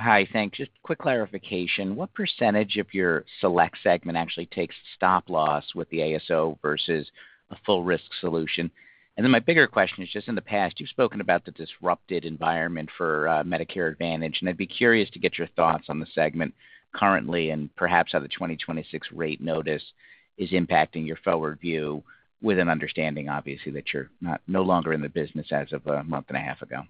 S13: Hi. Thanks. Just quick clarification. What percentage of your select segment actually takes stop-loss with the ASO versus a full-risk solution? My bigger question is just in the past, you've spoken about the disrupted environment for Medicare Advantage. I'd be curious to get your thoughts on the segment currently and perhaps how the 2026 rate notice is impacting your forward view with an understanding, obviously, that you're no longer in the business as of a month and a half ago.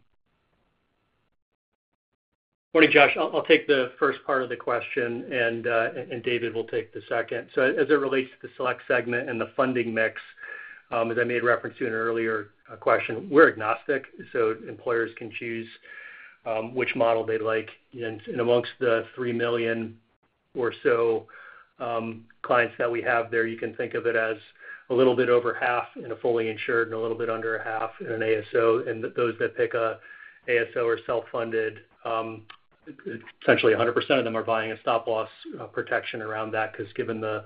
S6: Morning, Josh. I'll take the first part of the question, and David will take the second. As it relates to the select segment and the funding mix, as I made reference to in an earlier question, we're agnostic. Employers can choose which model they like. Amongst the 3 million or so clients that we have there, you can think of it as a little bit over half in a fully insured and a little bit under half in an ASO. Those that pick an ASO or self-funded, essentially 100% of them are buying a stop loss protection around that because given the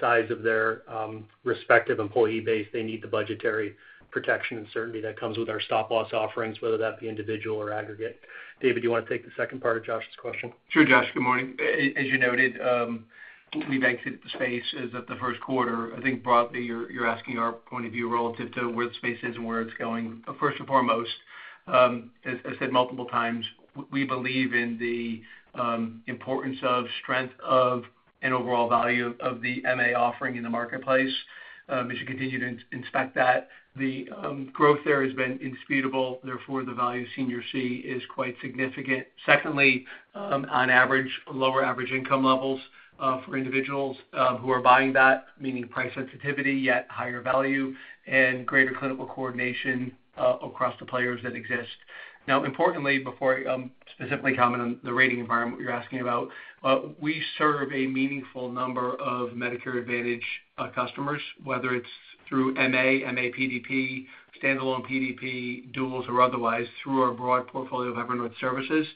S6: size of their respective employee base, they need the budgetary protection and certainty that comes with our stop loss offerings, whether that be individual or aggregate. David, do you want to take the second part of Josh's question?
S3: Sure, Josh. Good morning. As you noted, we've exited the space as of the first quarter. I think broadly, you're asking our point of view relative to where the space is and where it's going. First and foremost, as I said multiple times, we believe in the importance of strength of and overall value of the MA offering in the marketplace. As you continue to inspect that, the growth there has been indisputable. Therefore, the value senior C is quite significant. Secondly, on average, lower average income levels for individuals who are buying that, meaning price sensitivity, yet higher value and greater clinical coordination across the players that exist. Now, importantly, before I specifically comment on the rating environment you're asking about, we serve a meaningful number of Medicare Advantage customers, whether it's through MA, MA PDP, standalone PDP, duals, or otherwise through our broad portfolio of Evernorth services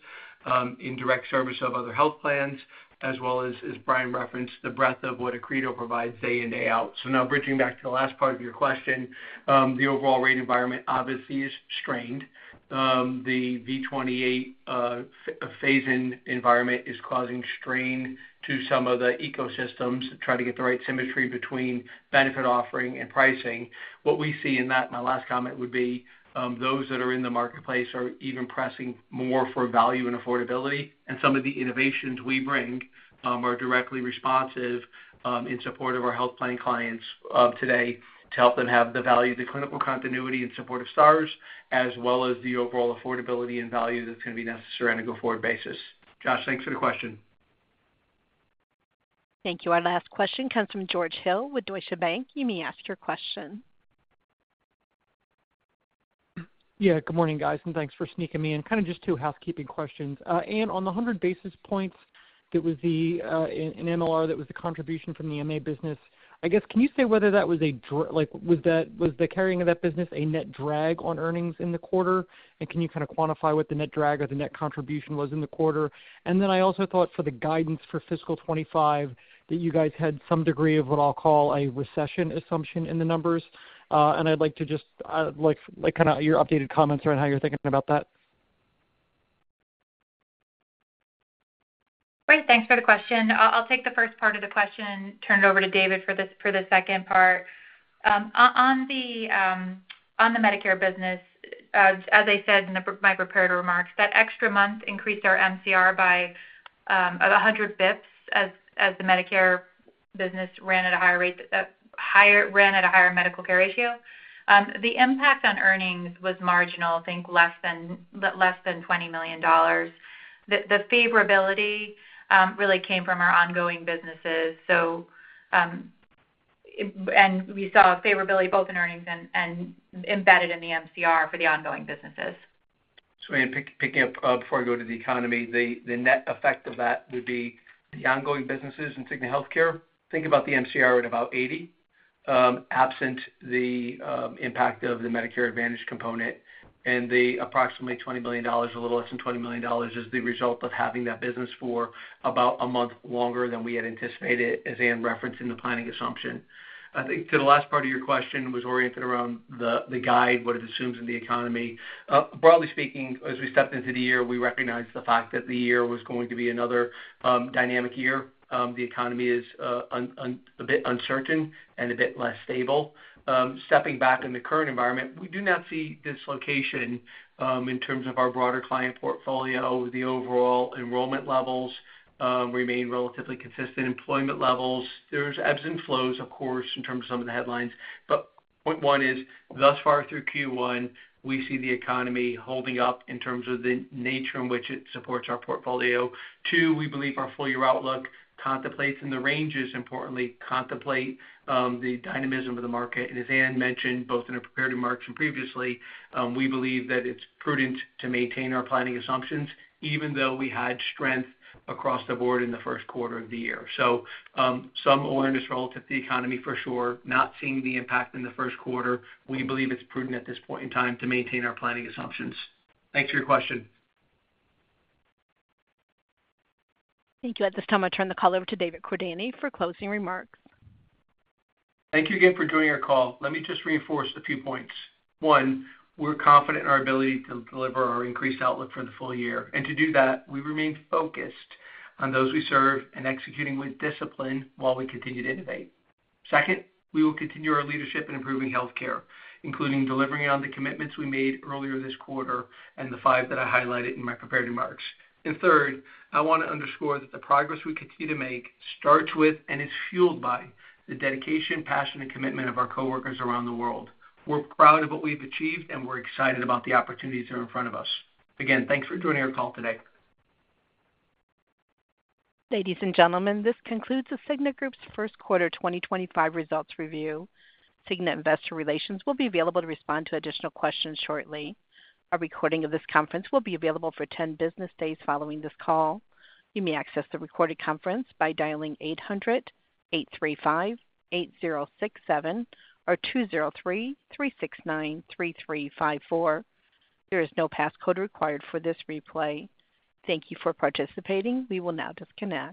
S3: in direct service of other health plans, as well as, as Brian referenced, the breadth of what Accredo provides day in, day out. Now, bridging back to the last part of your question, the overall rate environment obviously is strained. The V-28 phase-in environment is causing strain to some of the ecosystems that try to get the right symmetry between benefit offering and pricing. What we see in that, my last comment would be those that are in the marketplace are even pressing more for value and affordability. Some of the innovations we bring are directly responsive in support of our health plan clients today to help them have the value, the clinical continuity in support of STARS, as well as the overall affordability and value that's going to be necessary on a go forward basis. Josh, thanks for the question.
S1: Thank you. Our last question comes from George Hill with Deutsche Bank. You may ask your question.
S14: Yeah. Good morning, guys. Thanks for sneaking me in. Kind of just two housekeeping questions. On the 100 basis points, there was an MLR that was the contribution from the MA business. I guess, can you say whether that was a—was the carrying of that business a net drag on earnings in the quarter? Can you kind of quantify what the net drag or the net contribution was in the quarter? I also thought for the guidance for fiscal 2025 that you guys had some degree of what I'll call a recession assumption in the numbers. I'd like to just kind of get your updated comments around how you're thinking about that.
S4: Great. Thanks for the question. I'll take the first part of the question and turn it over to David for the second part. On the Medicare business, as I said in my prepared remarks, that extra month increased our MCR by 100 basis points as the Medicare business ran at a higher rate than ran at a higher medical care ratio. The impact on earnings was marginal, I think less than $20 million. The favorability really came from our ongoing businesses. We saw favorability both in earnings and embedded in the MCR for the ongoing businesses.
S3: Picking up before I go to the economy, the net effect of that would be the ongoing businesses and Cigna Healthcare, think about the MCR at about 80%, absent the impact of the Medicare Advantage component. The approximately $20 million, a little less than $20 million, is the result of having that business for about a month longer than we had anticipated, as Ann referenced in the planning assumption. I think the last part of your question was oriented around the guide, what it assumes in the economy. Broadly speaking, as we stepped into the year, we recognized the fact that the year was going to be another dynamic year. The economy is a bit uncertain and a bit less stable. Stepping back in the current environment, we do not see dislocation in terms of our broader client portfolio. The overall enrollment levels remain relatively consistent. Employment levels, there's ebbs and flows, of course, in terms of some of the headlines. Point one is, thus far through Q1, we see the economy holding up in terms of the nature in which it supports our portfolio. Two, we believe our full-year outlook contemplates and the ranges importantly contemplate the dynamism of the market. As Ann mentioned, both in her prepared remarks and previously, we believe that it's prudent to maintain our planning assumptions, even though we had strength across the board in the first quarter of the year. Some awareness relative to the economy, for sure, not seeing the impact in the first quarter, we believe it's prudent at this point in time to maintain our planning assumptions. Thanks for your question.
S1: Thank you. At this time, I'll turn the call over to David Cordani for closing remarks.
S3: Thank you again for joining our call. Let me just reinforce a few points. One, we're confident in our ability to deliver our increased outlook for the full year. To do that, we remain focused on those we serve and executing with discipline while we continue to innovate. Second, we will continue our leadership in improving healthcare, including delivering on the commitments we made earlier this quarter and the five that I highlighted in my prepared remarks. Third, I want to underscore that the progress we continue to make starts with and is fueled by the dedication, passion, and commitment of our coworkers around the world. We're proud of what we've achieved, and we're excited about the opportunities that are in front of us. Again, thanks for joining our call today.
S1: Ladies and gentlemen, this concludes The Cigna Group's first quarter 2025 results review. Cigna Investor Relations will be available to respond to additional questions shortly. A recording of this conference will be available for 10 business days following this call. You may access the recorded conference by dialing (800) 835-8067 or (203) 369-3354. There is no passcode required for this replay. Thank you for participating. We will now disconnect.